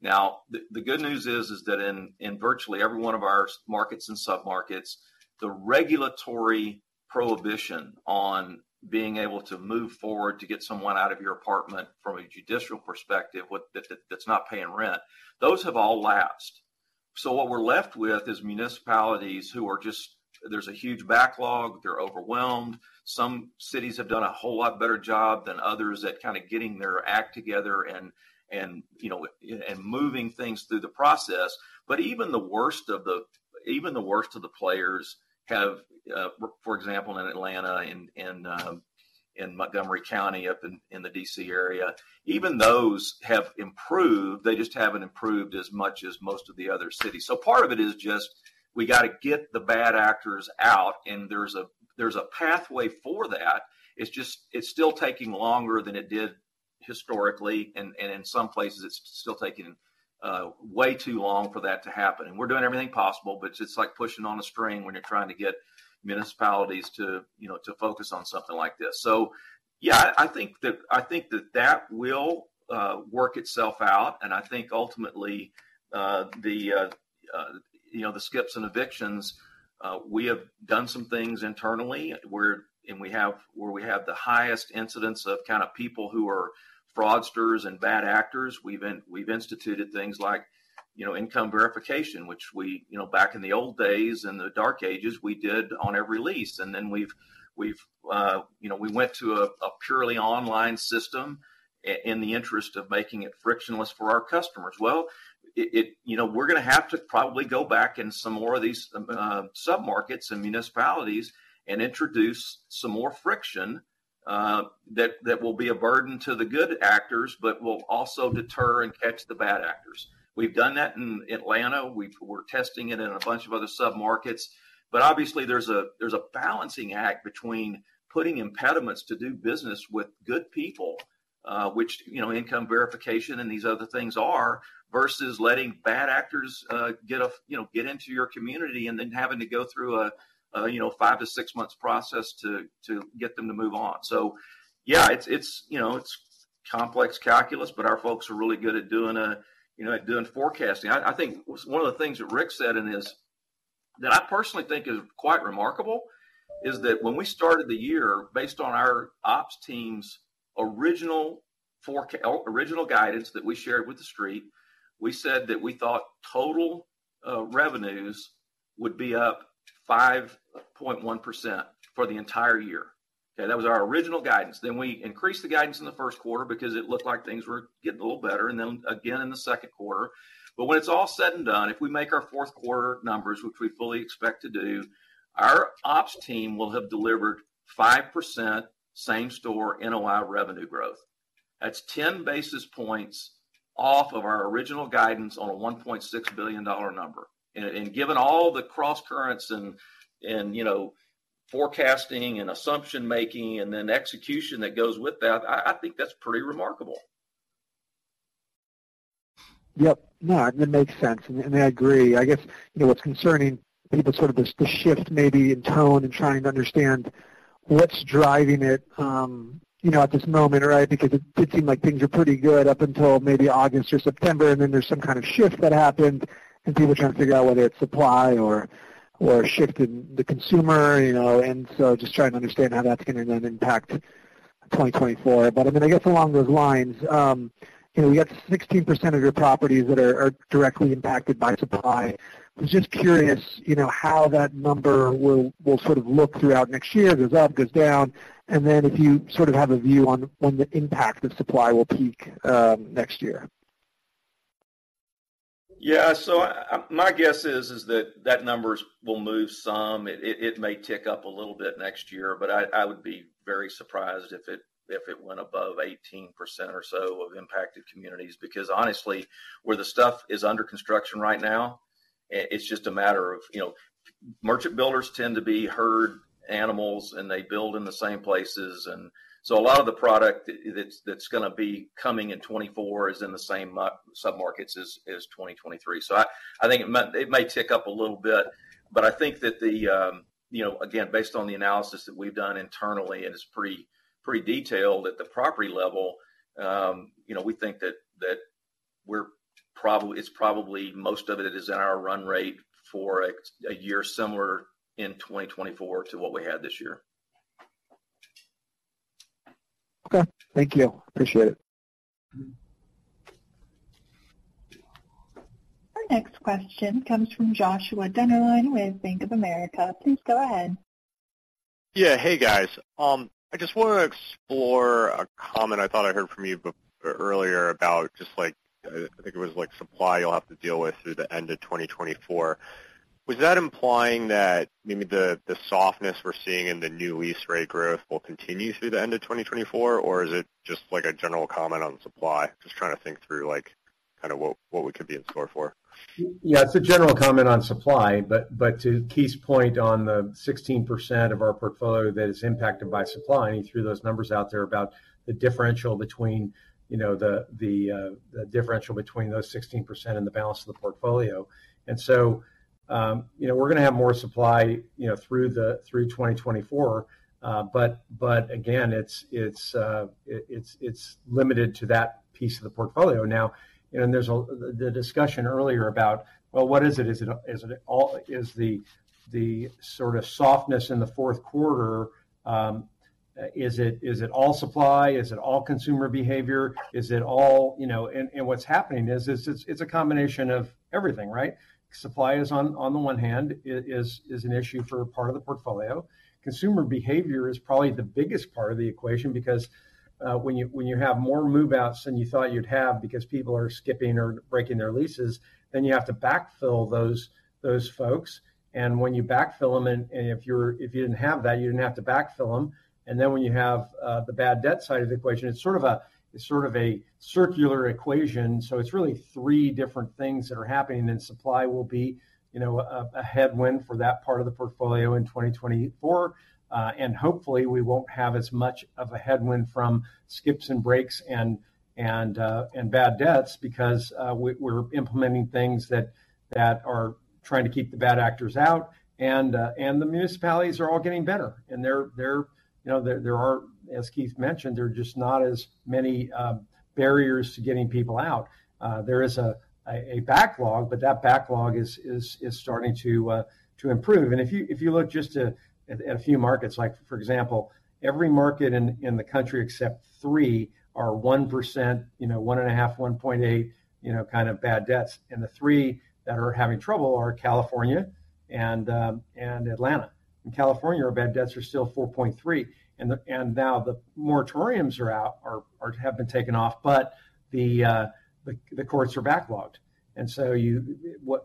Now, the good news is that in virtually every one of our markets and submarkets, the regulatory prohibition on being able to move forward to get someone out of your apartment from a judicial perspective, that's not paying rent, those have all lapsed. So what we're left with is municipalities who are just... There's a huge backlog. They're overwhelmed. Some cities have done a whole lot better job than others at kind of getting their act together and, you know, and moving things through the process. But even the worst of the players have, for example, in Atlanta, in Montgomery County, up in the D.C. area, even those have improved. They just haven't improved as much as most of the other cities. So part of it is just, we got to get the bad actors out, and there's a pathway for that. It's just, it's still taking longer than it did historically, and in some places it's still taking way too long for that to happen. And we're doing everything possible, but it's just like pushing on a string when you're trying to get municipalities to, you know, to focus on something like this. So, yeah, I think that, I think that that will work itself out, and I think ultimately, you know, the skips and evictions, we have done some things internally, where we have the highest incidence of kind of people who are fraudsters and bad actors. We've instituted things like, you know, income verification, which we, you know, back in the old days, in the dark ages, we did on every lease. And then we've, you know, we went to a purely online system in the interest of making it frictionless for our customers. Well, you know, we're gonna have to probably go back in some more of these submarkets and municipalities and introduce some more friction that will be a burden to the good actors, but will also deter and catch the bad actors. We've done that in Atlanta. We're testing it in a bunch of other submarkets, but obviously, there's a balancing act between putting impediments to do business with good people, which, you know, income verification and these other things are, versus letting bad actors get into your community and then having to go through a 5-6 months process to get them to move on. So yeah, it's complex calculus, but our folks are really good at doing forecasting. I think one of the things that Ric said that I personally think is quite remarkable is that when we started the year, based on our ops team's original guidance that we shared with the street, we said that we thought total revenues would be up 5.1% for the entire year. Okay, that was our original guidance. Then we increased the guidance in the Q1 because it looked like things were getting a little better, and then again in the Q2. But when it's all said and done, if we make our Q4 numbers, which we fully expect to do, our ops team will have delivered 5% same-store NOI revenue growth. That's 10 basis points off of our original guidance on a $1.6 billion number. Given all the crosscurrents and you know, forecasting and assumption-making and then execution that goes with that, I think that's pretty remarkable. Yep. No, that makes sense, and, and I agree. I guess, you know, what's concerning people, sort of, the, the shift maybe in tone and trying to understand what's driving it, you know, at this moment, right? Because it did seem like things were pretty good up until maybe August or September, and then there's some kind of shift that happened, and people are trying to figure out whether it's supply or, or a shift in the consumer, you know, and so just trying to understand how that's gonna then impact 2024. But, I mean, I guess along those lines, you know, we got 16% of your properties that are, are directly impacted by supply. I was just curious, you know, how that number will, will sort of look throughout next year. It goes up, goes down, and then if you sort of have a view on the impact of supply will peak, next year. Yeah. So, my guess is that number will move some. It may tick up a little bit next year, but I would be very surprised if it went above 18% or so of impacted communities. Because honestly, where the stuff is under construction right now, it's just a matter of, you know, merchant builders tend to be herd animals, and they build in the same places. And so a lot of the product that's gonna be coming in 2024 is in the same submarkets as 2023. I think it may tick up a little bit, but I think that, you know, again, based on the analysis that we've done internally, and it's pretty detailed at the property level, you know, we think that we're probably—it's probably most of it is in our run rate for a year similar in 2024 to what we had this year. Okay. Thank you. Appreciate it. Our next question comes from Joshua Dennerlein with Bank of America. Please go ahead. Yeah. Hey, guys. I just want to explore a comment I thought I heard from you earlier about just like, I think it was like supply you'll have to deal with through the end of 2024. Was that implying that maybe the softness we're seeing in the new lease rate growth will continue through the end of 2024, or is it just like a general comment on supply? Just trying to think through, like, kind of what we could be in store for. Yeah, it's a general comment on supply, but to Keith's point on the 16% of our portfolio that is impacted by supply, and he threw those numbers out there about the differential between, you know, the differential between those 16% and the balance of the portfolio. And so, you know, we're gonna have more supply, you know, through 2024, but again, it's limited to that piece of the portfolio now. And there's the discussion earlier about, well, what is it? Is it the sort of softness in the Q4, is it all supply? Is it all consumer behavior? Is it all... You know, and what's happening is it's a combination of everything, right? Supply is on the one hand, it is an issue for part of the portfolio. Consumer behavior is probably the biggest part of the equation because when you have more move-outs than you thought you'd have because people are skipping or breaking their leases, then you have to backfill those folks. And when you backfill them, and if you didn't have that, you didn't have to backfill them. And then when you have the bad debt side of the equation, it's sort of a circular equation. So it's really three different things that are happening, and supply will be, you know, a headwind for that part of the portfolio in 2024. Hopefully, we won't have as much of a headwind from skips and breaks and bad debts because we're implementing things that are trying to keep the bad actors out. The municipalities are all getting better, and they're, you know, there aren't, as Keith mentioned, there are just not as many barriers to getting people out. There is a backlog, but that backlog is starting to improve. If you look just at a few markets, for example, every market in the country except three are 1%, you know, 1.5%, 1.8%, kind of bad debts, and the three that are having trouble are California and Atlanta. In California, our bad debts are still 4.3%, and now the moratoriums are out or have been taken off, but the courts are backlogged. And so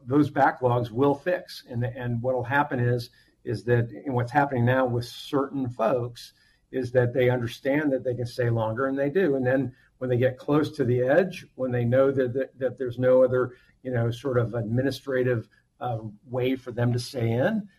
those backlogs will fix, and what will happen is that, and what's happening now with certain folks is that they understand that they can stay longer, and they do. And then when they get close to the edge, when they know that there's no other, you know, sort of administrative way for them to stay in,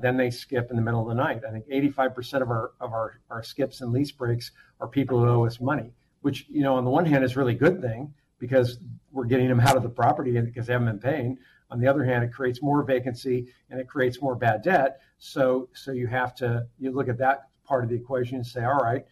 then they skip in the middle of the night. I think 85% of our skips and lease breaks are people who owe us money, which, you know, on the one hand, is a really good thing because we're getting them out of the property because they haven't been paying. On the other hand, it creates more vacancy, and it creates more bad debt. So you have to look at that part of the equation and say, "All right,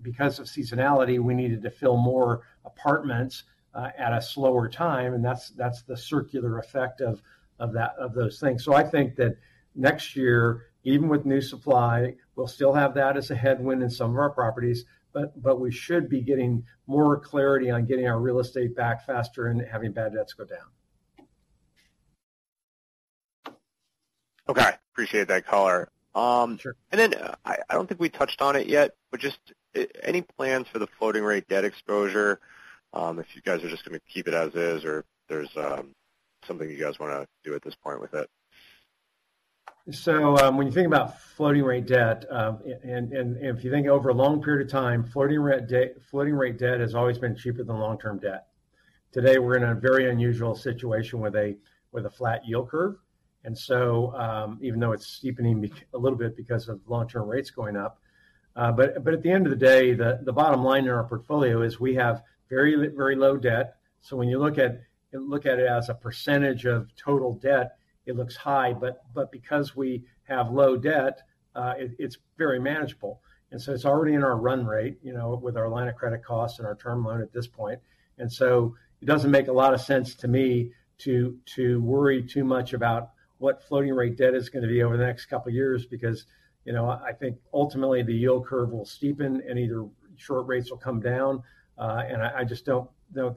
because of seasonality, we needed to fill more apartments at a slower time." And that's the circular effect of that, of those things. So I think that next year, even with new supply, we'll still have that as a headwind in some of our properties, but we should be getting more clarity on getting our real estate back faster and having bad debts go down.... Okay, appreciate that color. Sure. And then, I don't think we touched on it yet, but just any plans for the floating rate debt exposure, if you guys are just gonna keep it as is, or there's something you guys wanna do at this point with it? So, when you think about floating rate debt, and if you think over a long period of time, floating rate debt has always been cheaper than long-term debt. Today, we're in a very unusual situation with a flat yield curve, and so, even though it's steepening a little bit because of long-term rates going up, but at the end of the day, the bottom line in our portfolio is we have very, very low debt. So when you look at it as a percentage of total debt, it looks high, but because we have low debt, it is very manageable. And so it's already in our run rate, you know, with our line of credit costs and our term loan at this point. And so it doesn't make a lot of sense to me to worry too much about what floating rate debt is gonna be over the next couple of years, because, you know, I think ultimately, the yield curve will steepen, and either short rates will come down, and I just don't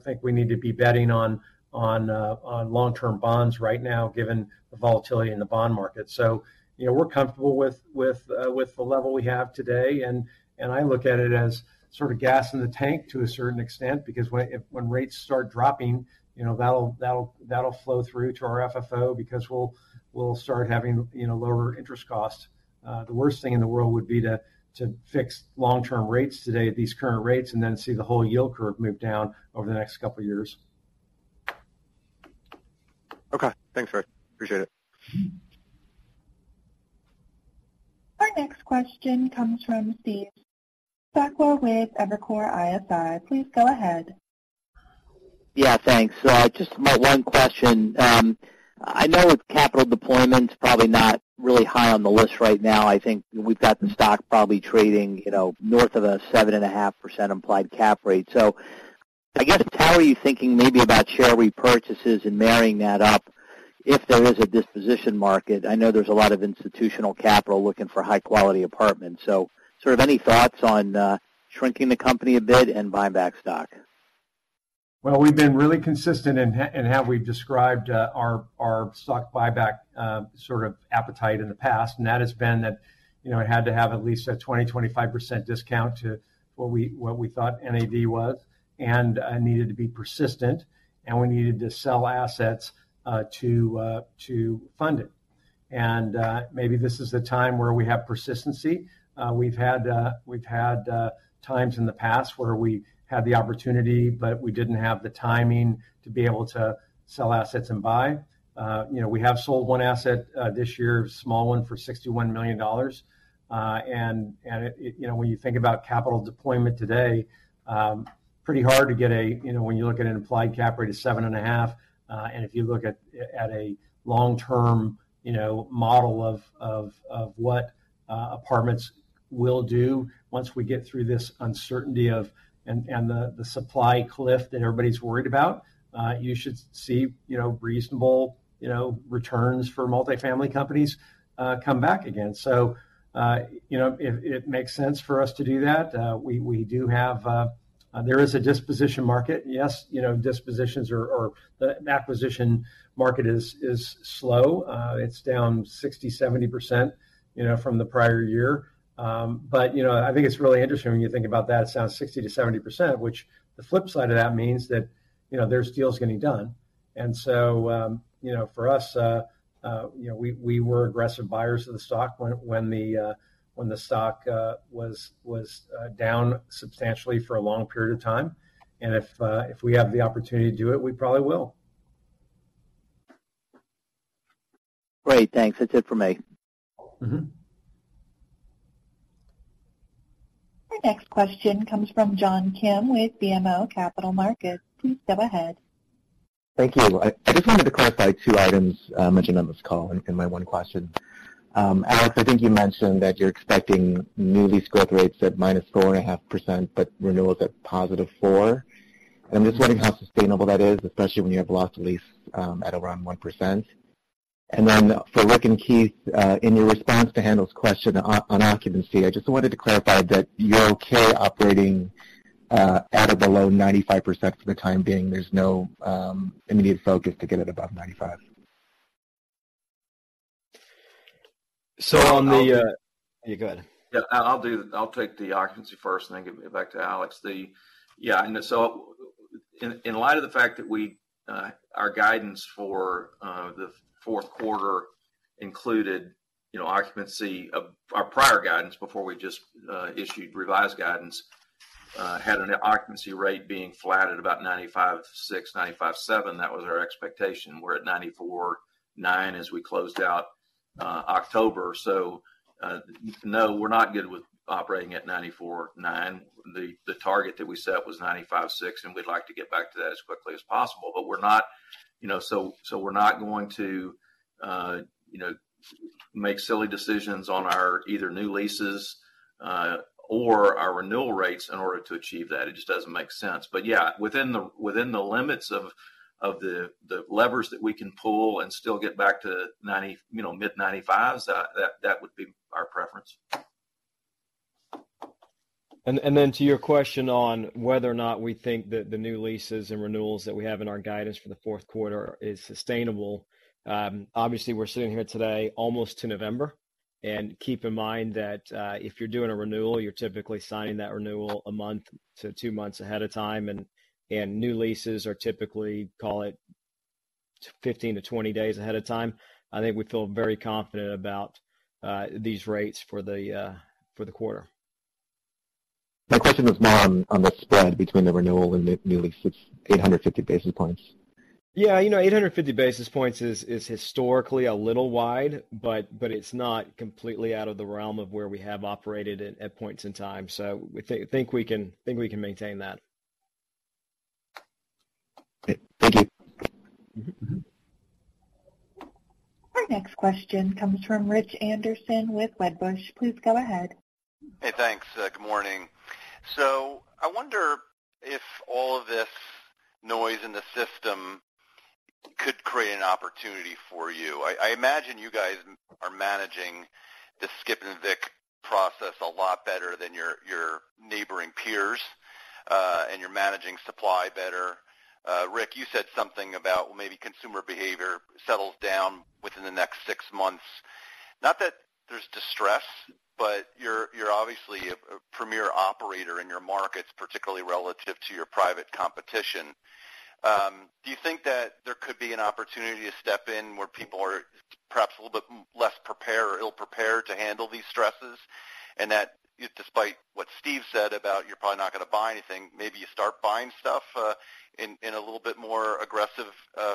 think we need to be betting on on long-term bonds right now, given the volatility in the bond market. So, you know, we're comfortable with the level we have today, and I look at it as sort of gas in the tank to a certain extent, because when rates start dropping, you know, that'll flow through to our FFO because we'll start having, you know, lower interest costs. The worst thing in the world would be to fix long-term rates today at these current rates, and then see the whole yield curve move down over the next couple of years. Okay. Thanks, Ric. Appreciate it. Our next question comes from Steve Sakwa with Evercore ISI. Please go ahead. Yeah, thanks. Just about one question. I know with capital deployment, probably not really high on the list right now. I think we've got the stock probably trading, you know, north of a 7.5% implied cap rate. So I guess, how are you thinking maybe about share repurchases and marrying that up if there is a disposition market? I know there's a lot of institutional capital looking for high-quality apartments, so sort of any thoughts on shrinking the company a bit and buying back stock? Well, we've been really consistent in how we've described our stock buyback sort of appetite in the past, and that has been that, you know, it had to have at least a 20-25% discount to what we thought NAV was, and needed to be persistent, and we needed to sell assets to fund it. And maybe this is the time where we have persistence. We've had times in the past where we had the opportunity, but we didn't have the timing to be able to sell assets and buy. You know, we have sold one asset this year, a small one, for $61 million. And it, you know, when you think about capital deployment today, pretty hard to get a... You know, when you look at an implied cap rate of 7.5, and if you look at a long-term, you know, model of what apartments will do once we get through this uncertainty of, and the supply cliff that everybody's worried about, you should see, you know, reasonable, you know, returns for multifamily companies come back again. So, you know, it makes sense for us to do that. We do have, there is a disposition market. Yes, you know, dispositions or the acquisition market is slow. It's down 60%-70%, you know, from the prior year. But, you know, I think it's really interesting when you think about that, it sounds 60%-70%, which the flip side of that means that, you know, there's deals getting done. And so, you know, for us, you know, we, we were aggressive buyers of the stock when, when the, when the stock, was, down substantially for a long period of time. And if, if we have the opportunity to do it, we probably will. Great, thanks. That's it for me. Mm-hmm. Our next question comes from John Kim with BMO Capital Markets. Please go ahead. Thank you. I just wanted to clarify two items mentioned on this call in my one question. Alex, I think you mentioned that you're expecting new lease growth rates at -4.5%, but renewals at +4%. I'm just wondering how sustainable that is, especially when you have loss to lease at around 1%. And then for Ric and Keith, in your response to Haendel's question on occupancy, I just wanted to clarify that you're okay operating at or below 95% for the time being. There's no immediate focus to get it above 95%? So, yeah, go ahead. Yeah, I'll take the occupancy first and then give it back to Alex. Yeah, and so in light of the fact that we, our guidance for the Q4 included, you know, occupancy of our prior guidance before we just issued revised guidance, had an occupancy rate being flat at about 95.6%-95.7%, that was our expectation. We're at 94.9% as we closed out October. So, no, we're not good with operating at 94.9%. The target that we set was 95.6%, and we'd like to get back to that as quickly as possible, but we're not, you know. So we're not going to, you know, make silly decisions on our either new leases or our renewal rates in order to achieve that. It just doesn't make sense. But, yeah, within the limits of the levers that we can pull and still get back to 90, you know, mid-90s, that would be our preference. And then to your question on whether or not we think that the new leases and renewals that we have in our guidance for the Q4 is sustainable, obviously, we're sitting here today almost to November. And keep in mind that, if you're doing a renewal, you're typically signing that renewal a month to two months ahead of time, and new leases are typically, call it, 15 to 20 days ahead of time. I think we feel very confident about these rates for the quarter. My question was more on the spread between the renewal and the new lease, it's 850 basis points. Yeah, you know, 850 basis points is historically a little wide, but it's not completely out of the realm of where we have operated at points in time. So we think we can maintain that. Okay. Thank you. Mm-hmm. Mm-hmm. Our next question comes from Rich Anderson with Wedbush. Please go ahead. Hey, thanks. Good morning. So I wonder if all of this noise in the system could create an opportunity for you. I imagine you guys are managing the skip and evict process a lot better than your neighboring peers, and you're managing supply better. Ric, you said something about maybe consumer behavior settles down within the next six months. Not that there's distress, but you're obviously a premier operator in your markets, particularly relative to your private competition. Do you think that there could be an opportunity to step in where people are perhaps a little bit less prepared or ill-prepared to handle these stresses? That despite what Steve said about you're probably not gonna buy anything, maybe you start buying stuff, in a little bit more aggressive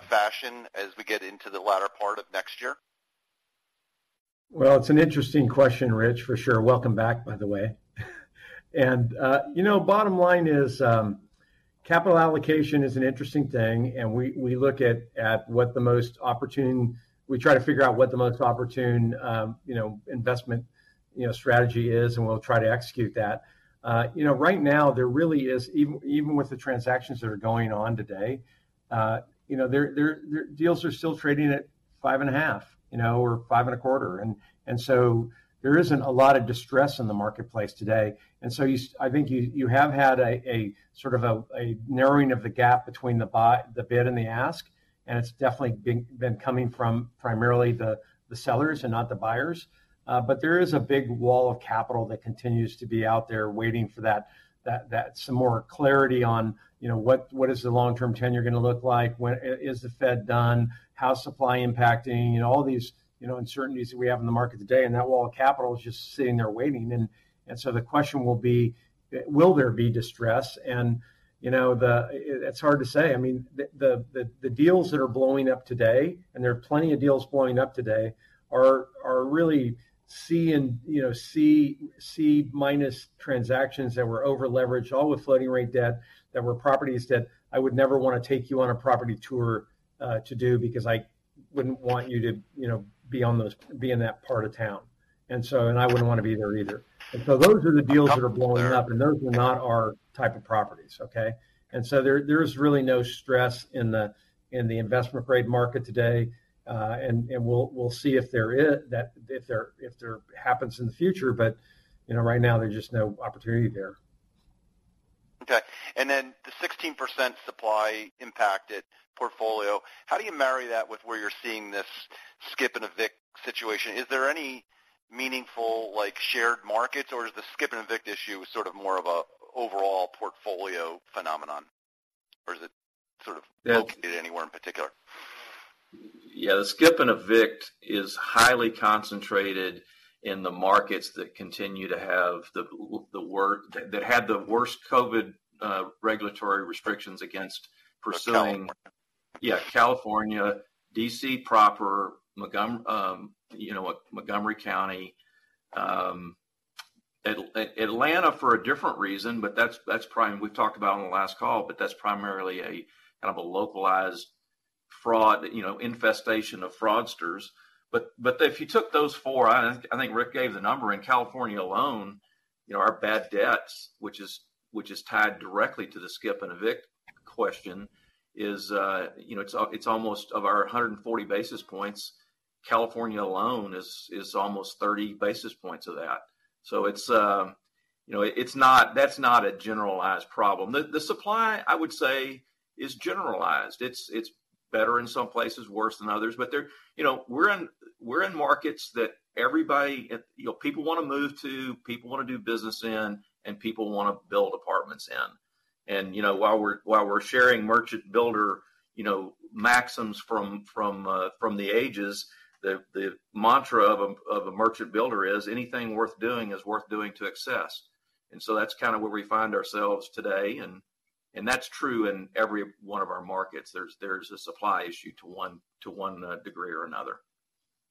fashion as we get into the latter part of next year? Well, it's an interesting question, Rich, for sure. Welcome back, by the way. And, you know, bottom line is, capital allocation is an interesting thing, and we look at what the most opportune. We try to figure out what the most opportune, you know, investment, you know, strategy is, and we'll try to execute that. You know, right now, there really is, even with the transactions that are going on today, you know, deals are still trading at 5.5, you know, or 5.25. And so there isn't a lot of distress in the marketplace today. And so I think you have had a sort of a narrowing of the gap between the buy, the bid, and the ask, and it's definitely been coming from primarily the sellers and not the buyers. But there is a big wall of capital that continues to be out there waiting for that some more clarity on, you know, what is the long-term tenure gonna look like? When is the Fed done? How is supply impacting? You know, all these uncertainties that we have in the market today, and that wall of capital is just sitting there waiting. So the question will be: will there be distress? And, you know, it's hard to say. I mean, the deals that are blowing up today, and there are plenty of deals blowing up today, are really C and, you know, C, C-minus transactions that were over-leveraged, all with floating rate debt, that were properties that I would never wanna take you on a property tour to do, because I wouldn't want you to, you know, be on those, be in that part of town. And so, and I wouldn't wanna be there either. And so those are the deals that are blowing up, and those are not our type of properties, okay? And so there is really no stress in the investment-grade market today. And we'll see if there is, if there happens in the future, but, you know, right now, there's just no opportunity there. Okay. And then the 16% supply-impacted portfolio, how do you marry that with where you're seeing this skip and evict situation? Is there any meaningful, like, shared markets, or is the skip and evict issue sort of more of a overall portfolio phenomenon, or is it sort of- Yeah... located anywhere in particular? Yeah, the skip and evict is highly concentrated in the markets that continue to have the worst COVID regulatory restrictions against pursuing- California. Yeah, California, D.C. proper, you know what? Montgomery County, Atlanta for a different reason, but that's, that's prime. We've talked about on the last call, but that's primarily a, kind of a localized fraud, you know, infestation of fraudsters. But, but if you took those four, I, I think Ric gave the number in California alone, you know, our bad debts, which is, which is tied directly to the skip and evict question, is, you know, it's, it's almost of our 140 basis points, California alone is, is almost 30 basis points of that. So it's, you know, it's not, that's not a generalized problem. The, the supply, I would say, is generalized. It's, it's better in some places, worse than others, but they're... You know, we're in, we're in markets that everybody, you know, people wanna move to, people wanna do business in, and people wanna build apartments in. And, you know, while we're, while we're sharing merchant builder, you know, maxims from, from, from the ages, the, the mantra of a, of a merchant builder is: Anything worth doing is worth doing to excess. And so that's kind of where we find ourselves today, and, and that's true in every one of our markets. There's, there's a supply issue to one, to one, degree or another.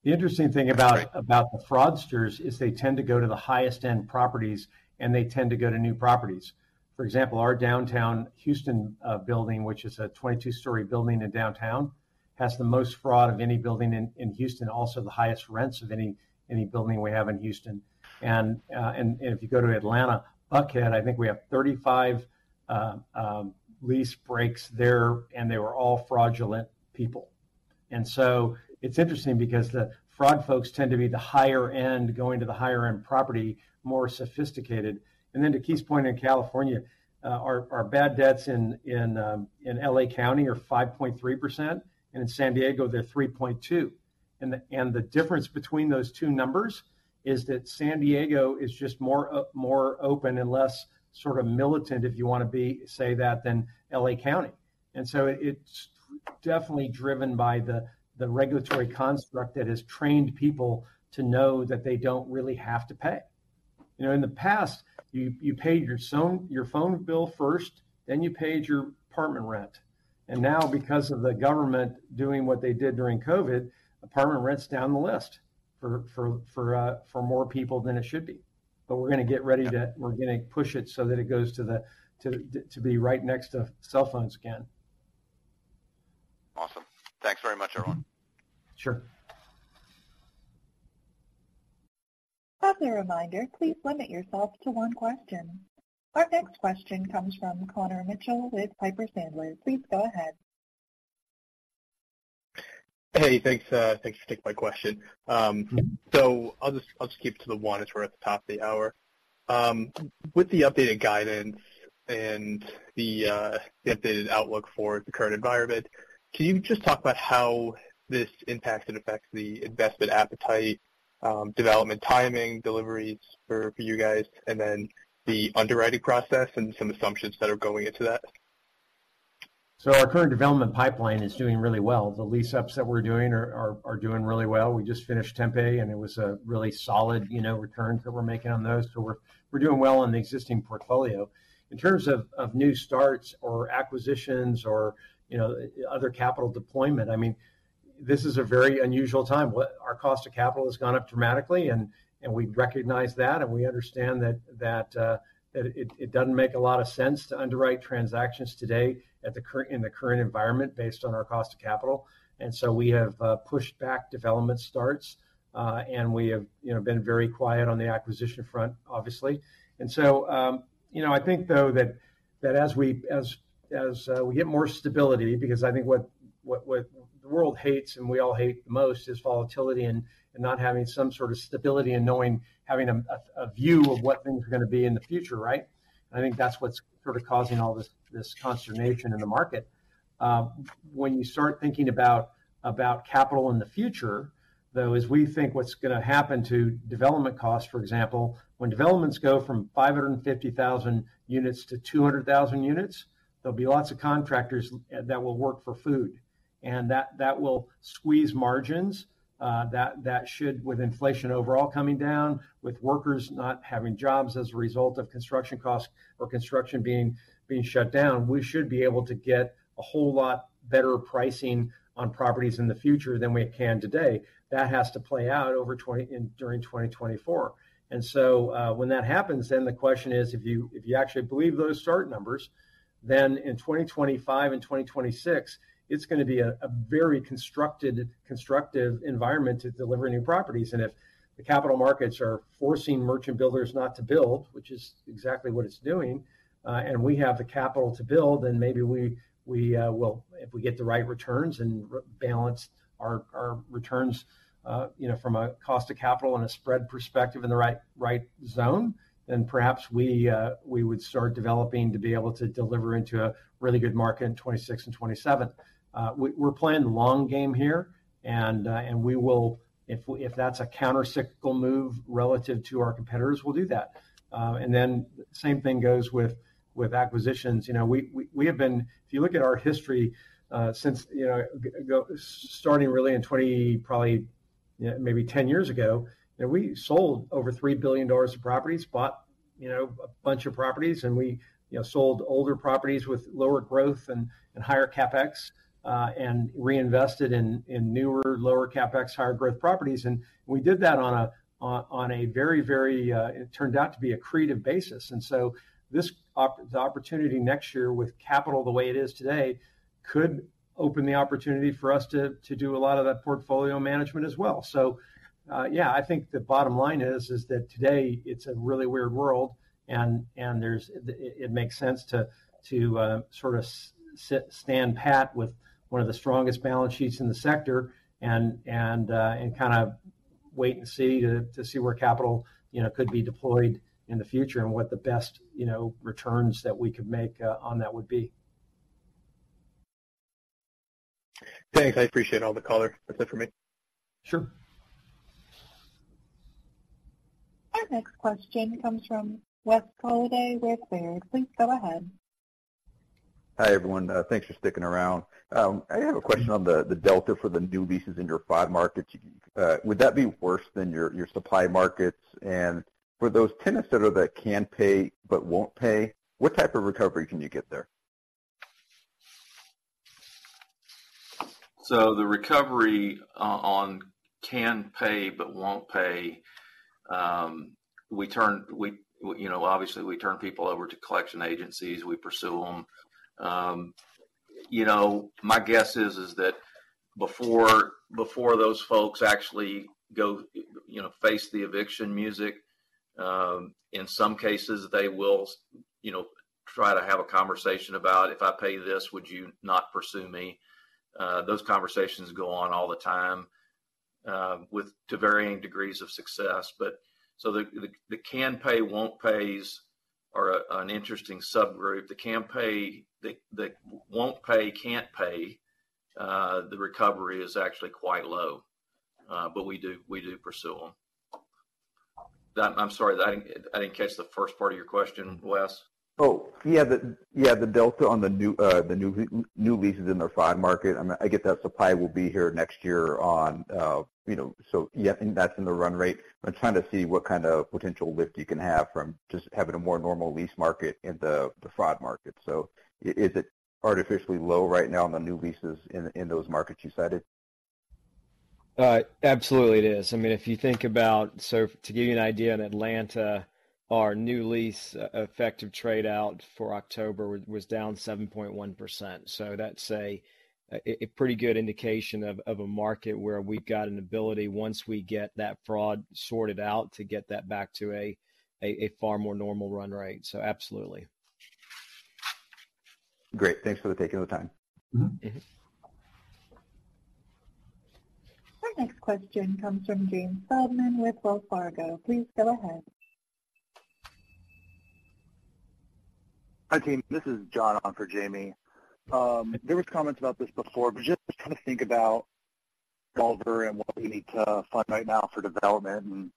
The interesting thing about- Great... about the fraudsters is they tend to go to the highest-end properties, and they tend to go to new properties. For example, our downtown Houston building, which is a 22-story building in downtown, has the most fraud of any building in Houston, also the highest rents of any building we have in Houston. And if you go to Atlanta, Buckhead, I think we have 35 lease breaks there, and they were all fraudulent people. And so it's interesting because the fraud folks tend to be the higher end, going to the higher end property, more sophisticated. And then to Keith's point in California, our bad debts in L.A. County are 5.3%, and in San Diego, they're 3.2%. And the difference between those two numbers is that San Diego is just more open and less sort of militant, if you want to say that, than LA County. And so it's definitely driven by the regulatory construct that has trained people to know that they don't really have to pay. You know, in the past, you paid your phone bill first, then you paid your apartment rent. And now, because of the government doing what they did during COVID, apartment rent's down the list for more people than it should be. But we're gonna push it so that it goes to be right next to cell phones again. Awesome. Thanks very much, everyone. Sure. As a reminder, please limit yourself to one question. Our next question comes from Connor Mitchell with Piper Sandler. Please go ahead. Hey, thanks. Thanks for taking my question. So I'll just keep it to the one as we're at the top of the hour. With the updated guidance and the updated outlook for the current environment, can you just talk about how this impacts and affects the investment appetite, development timing, deliveries for you guys, and then the underwriting process and some assumptions that are going into that? So our current development pipeline is doing really well. The lease-ups that we're doing are doing really well. We just finished Tempe, and it was a really solid, you know, return that we're making on those. So we're doing well on the existing portfolio. In terms of new starts or acquisitions or, you know, other capital deployment, I mean, this is a very unusual time. What-- Our cost of capital has gone up dramatically, and we recognize that, and we understand that it doesn't make a lot of sense to underwrite transactions today at the current-- in the current environment based on our cost of capital. And so we have pushed back development starts, and we have, you know, been very quiet on the acquisition front, obviously. And so, you know, I think, though, that as we get more stability, because I think what the world hates, and we all hate the most, is volatility and not having some sort of stability and knowing having a view of what things are gonna be in the future, right? And I think that's what's sort of causing all this consternation in the market. When you start thinking about capital in the future, though, we think what's gonna happen to development costs, for example, when developments go from 550,000 units to 200,000 units, there'll be lots of contractors that will work for food, and that will squeeze margins. That, that should, with inflation overall coming down, with workers not having jobs as a result of construction costs or construction being, being shut down, we should be able to get a whole lot better pricing on properties in the future than we can today. That has to play out in, during 2024. And so, when that happens, then the question is, if you, if you actually believe those start numbers, then in 2025 and 2026, it's gonna be a very constructive environment to deliver new properties. If the capital markets are forcing merchant builders not to build, which is exactly what it's doing, and we have the capital to build, then maybe we will—if we get the right returns and balance our returns, you know, from a cost of capital and a spread perspective in the right zone, then perhaps we would start developing to be able to deliver into a really good market in 2026 and 2027. We're playing the long game here, and we will—if that's a countercyclical move relative to our competitors, we'll do that. The same thing goes with acquisitions. You know, we have been—if you look at our history, since, you know, starting really in 20... Probably, maybe 10 years ago, you know, we sold over $3 billion of properties, bought, you know, a bunch of properties, and we, you know, sold older properties with lower growth and higher CapEx, and reinvested in newer, lower CapEx, higher-growth properties. And we did that on a very accretive basis. So this opportunity next year with capital the way it is today could open the opportunity for us to do a lot of that portfolio management as well. Yeah, I think the bottom line is that today it's a really weird world, and there's—it makes sense to sort of sit, stand pat with one of the strongest balance sheets in the sector and kind of wait and see to see where capital, you know, could be deployed in the future and what the best, you know, returns that we could make on that would be. Thanks. I appreciate all the color. That's it for me. Sure. Our next question comes from Wes Golladay with Baird. Please go ahead. Hi, everyone. Thanks for sticking around. I have a question on the, the delta for the new leases in your five markets. Would that be worse than your, your supply markets? And for those tenants that are, that can pay but won't pay, what type of recovery can you get there? So the recovery on can pay but won't pay, you know, obviously we turn people over to collection agencies, we pursue them. You know, my guess is that before those folks actually go, you know, face the eviction music, in some cases, they will, you know, try to have a conversation about, "If I pay this, would you not pursue me?" Those conversations go on all the time, to varying degrees of success. But the can pay, won't pays are an interesting subgroup. The can pay, the won't pay, can't pay, the recovery is actually quite low, but we do pursue them. I'm sorry, I didn't catch the first part of your question, Wes. Oh, yeah, the, yeah, the delta on the new, the new leases in the fraud market. I mean, I get that supply will be here next year, you know, so yeah, and that's in the run rate. I'm trying to see what kind of potential lift you can have from just having a more normal lease market in the, the fraud market. I mean, is it artificially low right now on the new leases in, in those markets you cited? Absolutely it is. I mean, if you think about, so to give you an idea, in Atlanta, our new lease effective trade out for October was down 7.1%. So that's a pretty good indication of a market where we've got an ability, once we get that fraud sorted out, to get that back to a far more normal run rate. So absolutely. Great. Thanks for taking the time. Mm-hmm. Mm-hmm. Our next question comes from Jamie Feldman with Wells Fargo. Please go ahead. Hi, team. This is John on for Jamie. There was comments about this before, but just trying to think about revolver and what we need to fund right now for development and,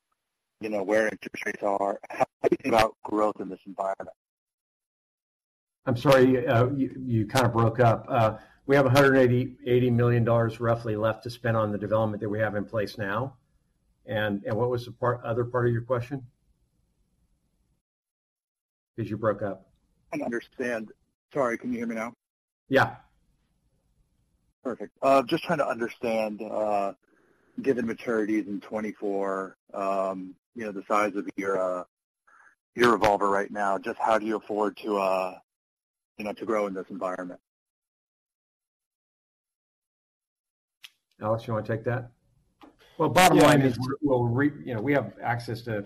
you know, where interest rates are, how do you think about growth in this environment? I'm sorry, you kind of broke up. We have $80 million roughly left to spend on the development that we have in place now. And what was the other part of your question? Because you broke up. I understand. Sorry, can you hear me now? Yeah. Perfect. Just trying to understand, given maturities in 2024, you know, the size of your revolver right now, just how do you afford to, you know, to grow in this environment? Alex, you want to take that? Well, bottom line is- Well, you know, we have access to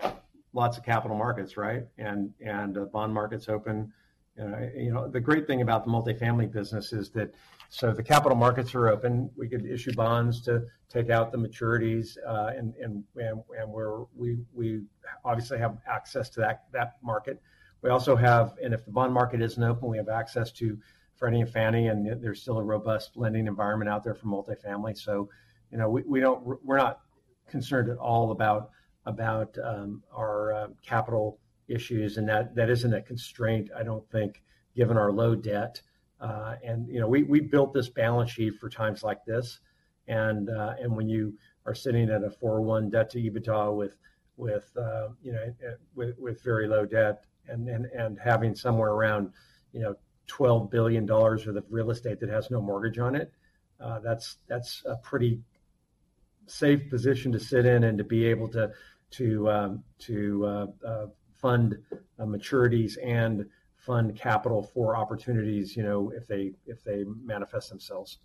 lots of capital markets, right? And the bond market's open. And, you know, the great thing about the multifamily business is that, so the capital markets are open. We could issue bonds to take out the maturities, and we obviously have access to that market. We also have... And if the bond market isn't open, we have access to Freddie and Fannie, and there's still a robust lending environment out there for multifamily. So, you know, we're not concerned at all about our capital issues, and that isn't a constraint, I don't think, given our low debt. And, you know, we built this balance sheet for times like this, and when you are sitting at a 4.1 debt-to-EBITDA with, you know, with very low debt and having somewhere around, you know, $12 billion worth of real estate that has no mortgage on it, that's a pretty safe position to sit in and to be able to fund maturities and fund capital for opportunities, you know, if they manifest themselves.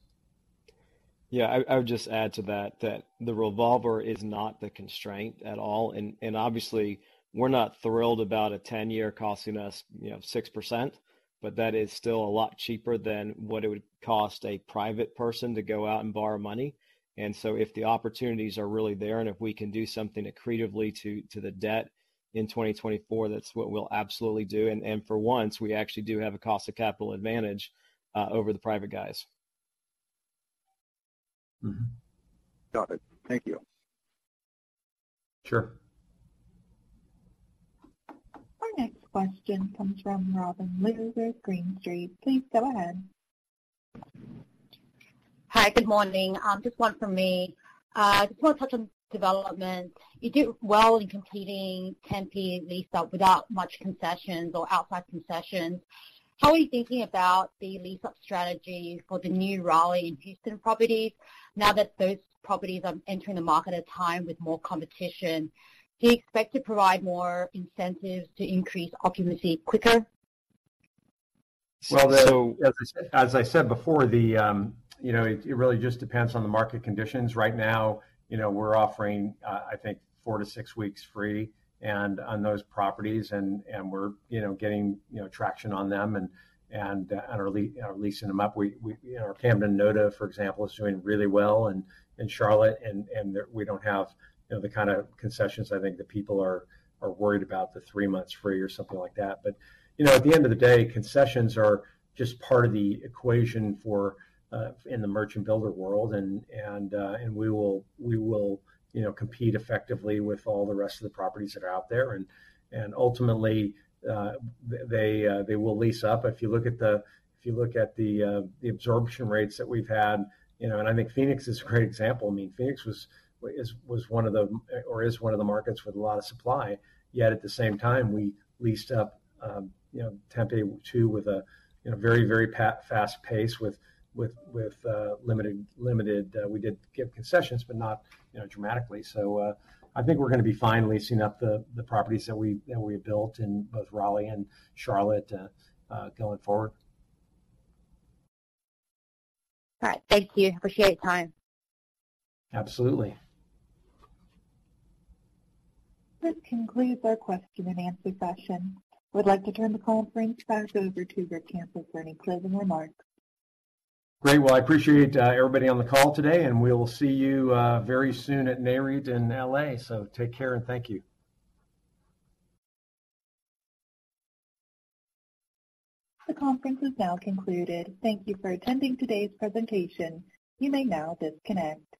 Yeah, I would just add to that, that the revolver is not the constraint at all. And obviously, we're not thrilled about a 10-year costing us, you know, 6%, but that is still a lot cheaper than what it would cost a private person to go out and borrow money. And so if the opportunities are really there, and if we can do something accretively to the debt in 2024, that's what we'll absolutely do. And for once, we actually do have a cost of capital advantage over the private guys. Mm-hmm. Got it. Thank you. Sure. Our next question comes from Robin Lu with Green Street. Please go ahead. Hi, good morning. Just one from me. Just want to touch on development. You did well in competing Tempe lease-up without much concessions or outside concessions. How are you thinking about the lease-up strategy for the new Raleigh and Houston properties now that those properties are entering the market at a time with more competition? Do you expect to provide more incentives to increase occupancy quicker? Well, so as I said before, the, you know, it really just depends on the market conditions. Right now, you know, we're offering, I think, 4-6 weeks free, and on those properties, and we're, you know, getting, you know, traction on them and are leasing them up. We, you know, our Camden NoDa, for example, is doing really well in Charlotte, and we don't have, you know, the kind of concessions I think that people are worried about, the 3 months free or something like that. But, you know, at the end of the day, concessions are just part of the equation for in the merchant builder world, and we will, you know, compete effectively with all the rest of the properties that are out there. Ultimately, they will lease up. If you look at the absorption rates that we've had, you know, and I think Phoenix is a great example. I mean, Phoenix was or is one of the markets with a lot of supply, yet at the same time, we leased up, you know, Tempe II with a, you know, very, very fast pace with limited, we did give concessions, but not, you know, dramatically. So, I think we're gonna be fine leasing up the properties that we built in both Raleigh and Charlotte going forward. All right. Thank you. Appreciate your time. Absolutely. This concludes our question and answer session. We'd like to turn the call back over to Ric Campo for any closing remarks. Great. Well, I appreciate everybody on the call today, and we will see you very soon at NAREIT in LA, so take care, and thank you. The conference is now concluded. Thank you for attending today's presentation. You may now disconnect.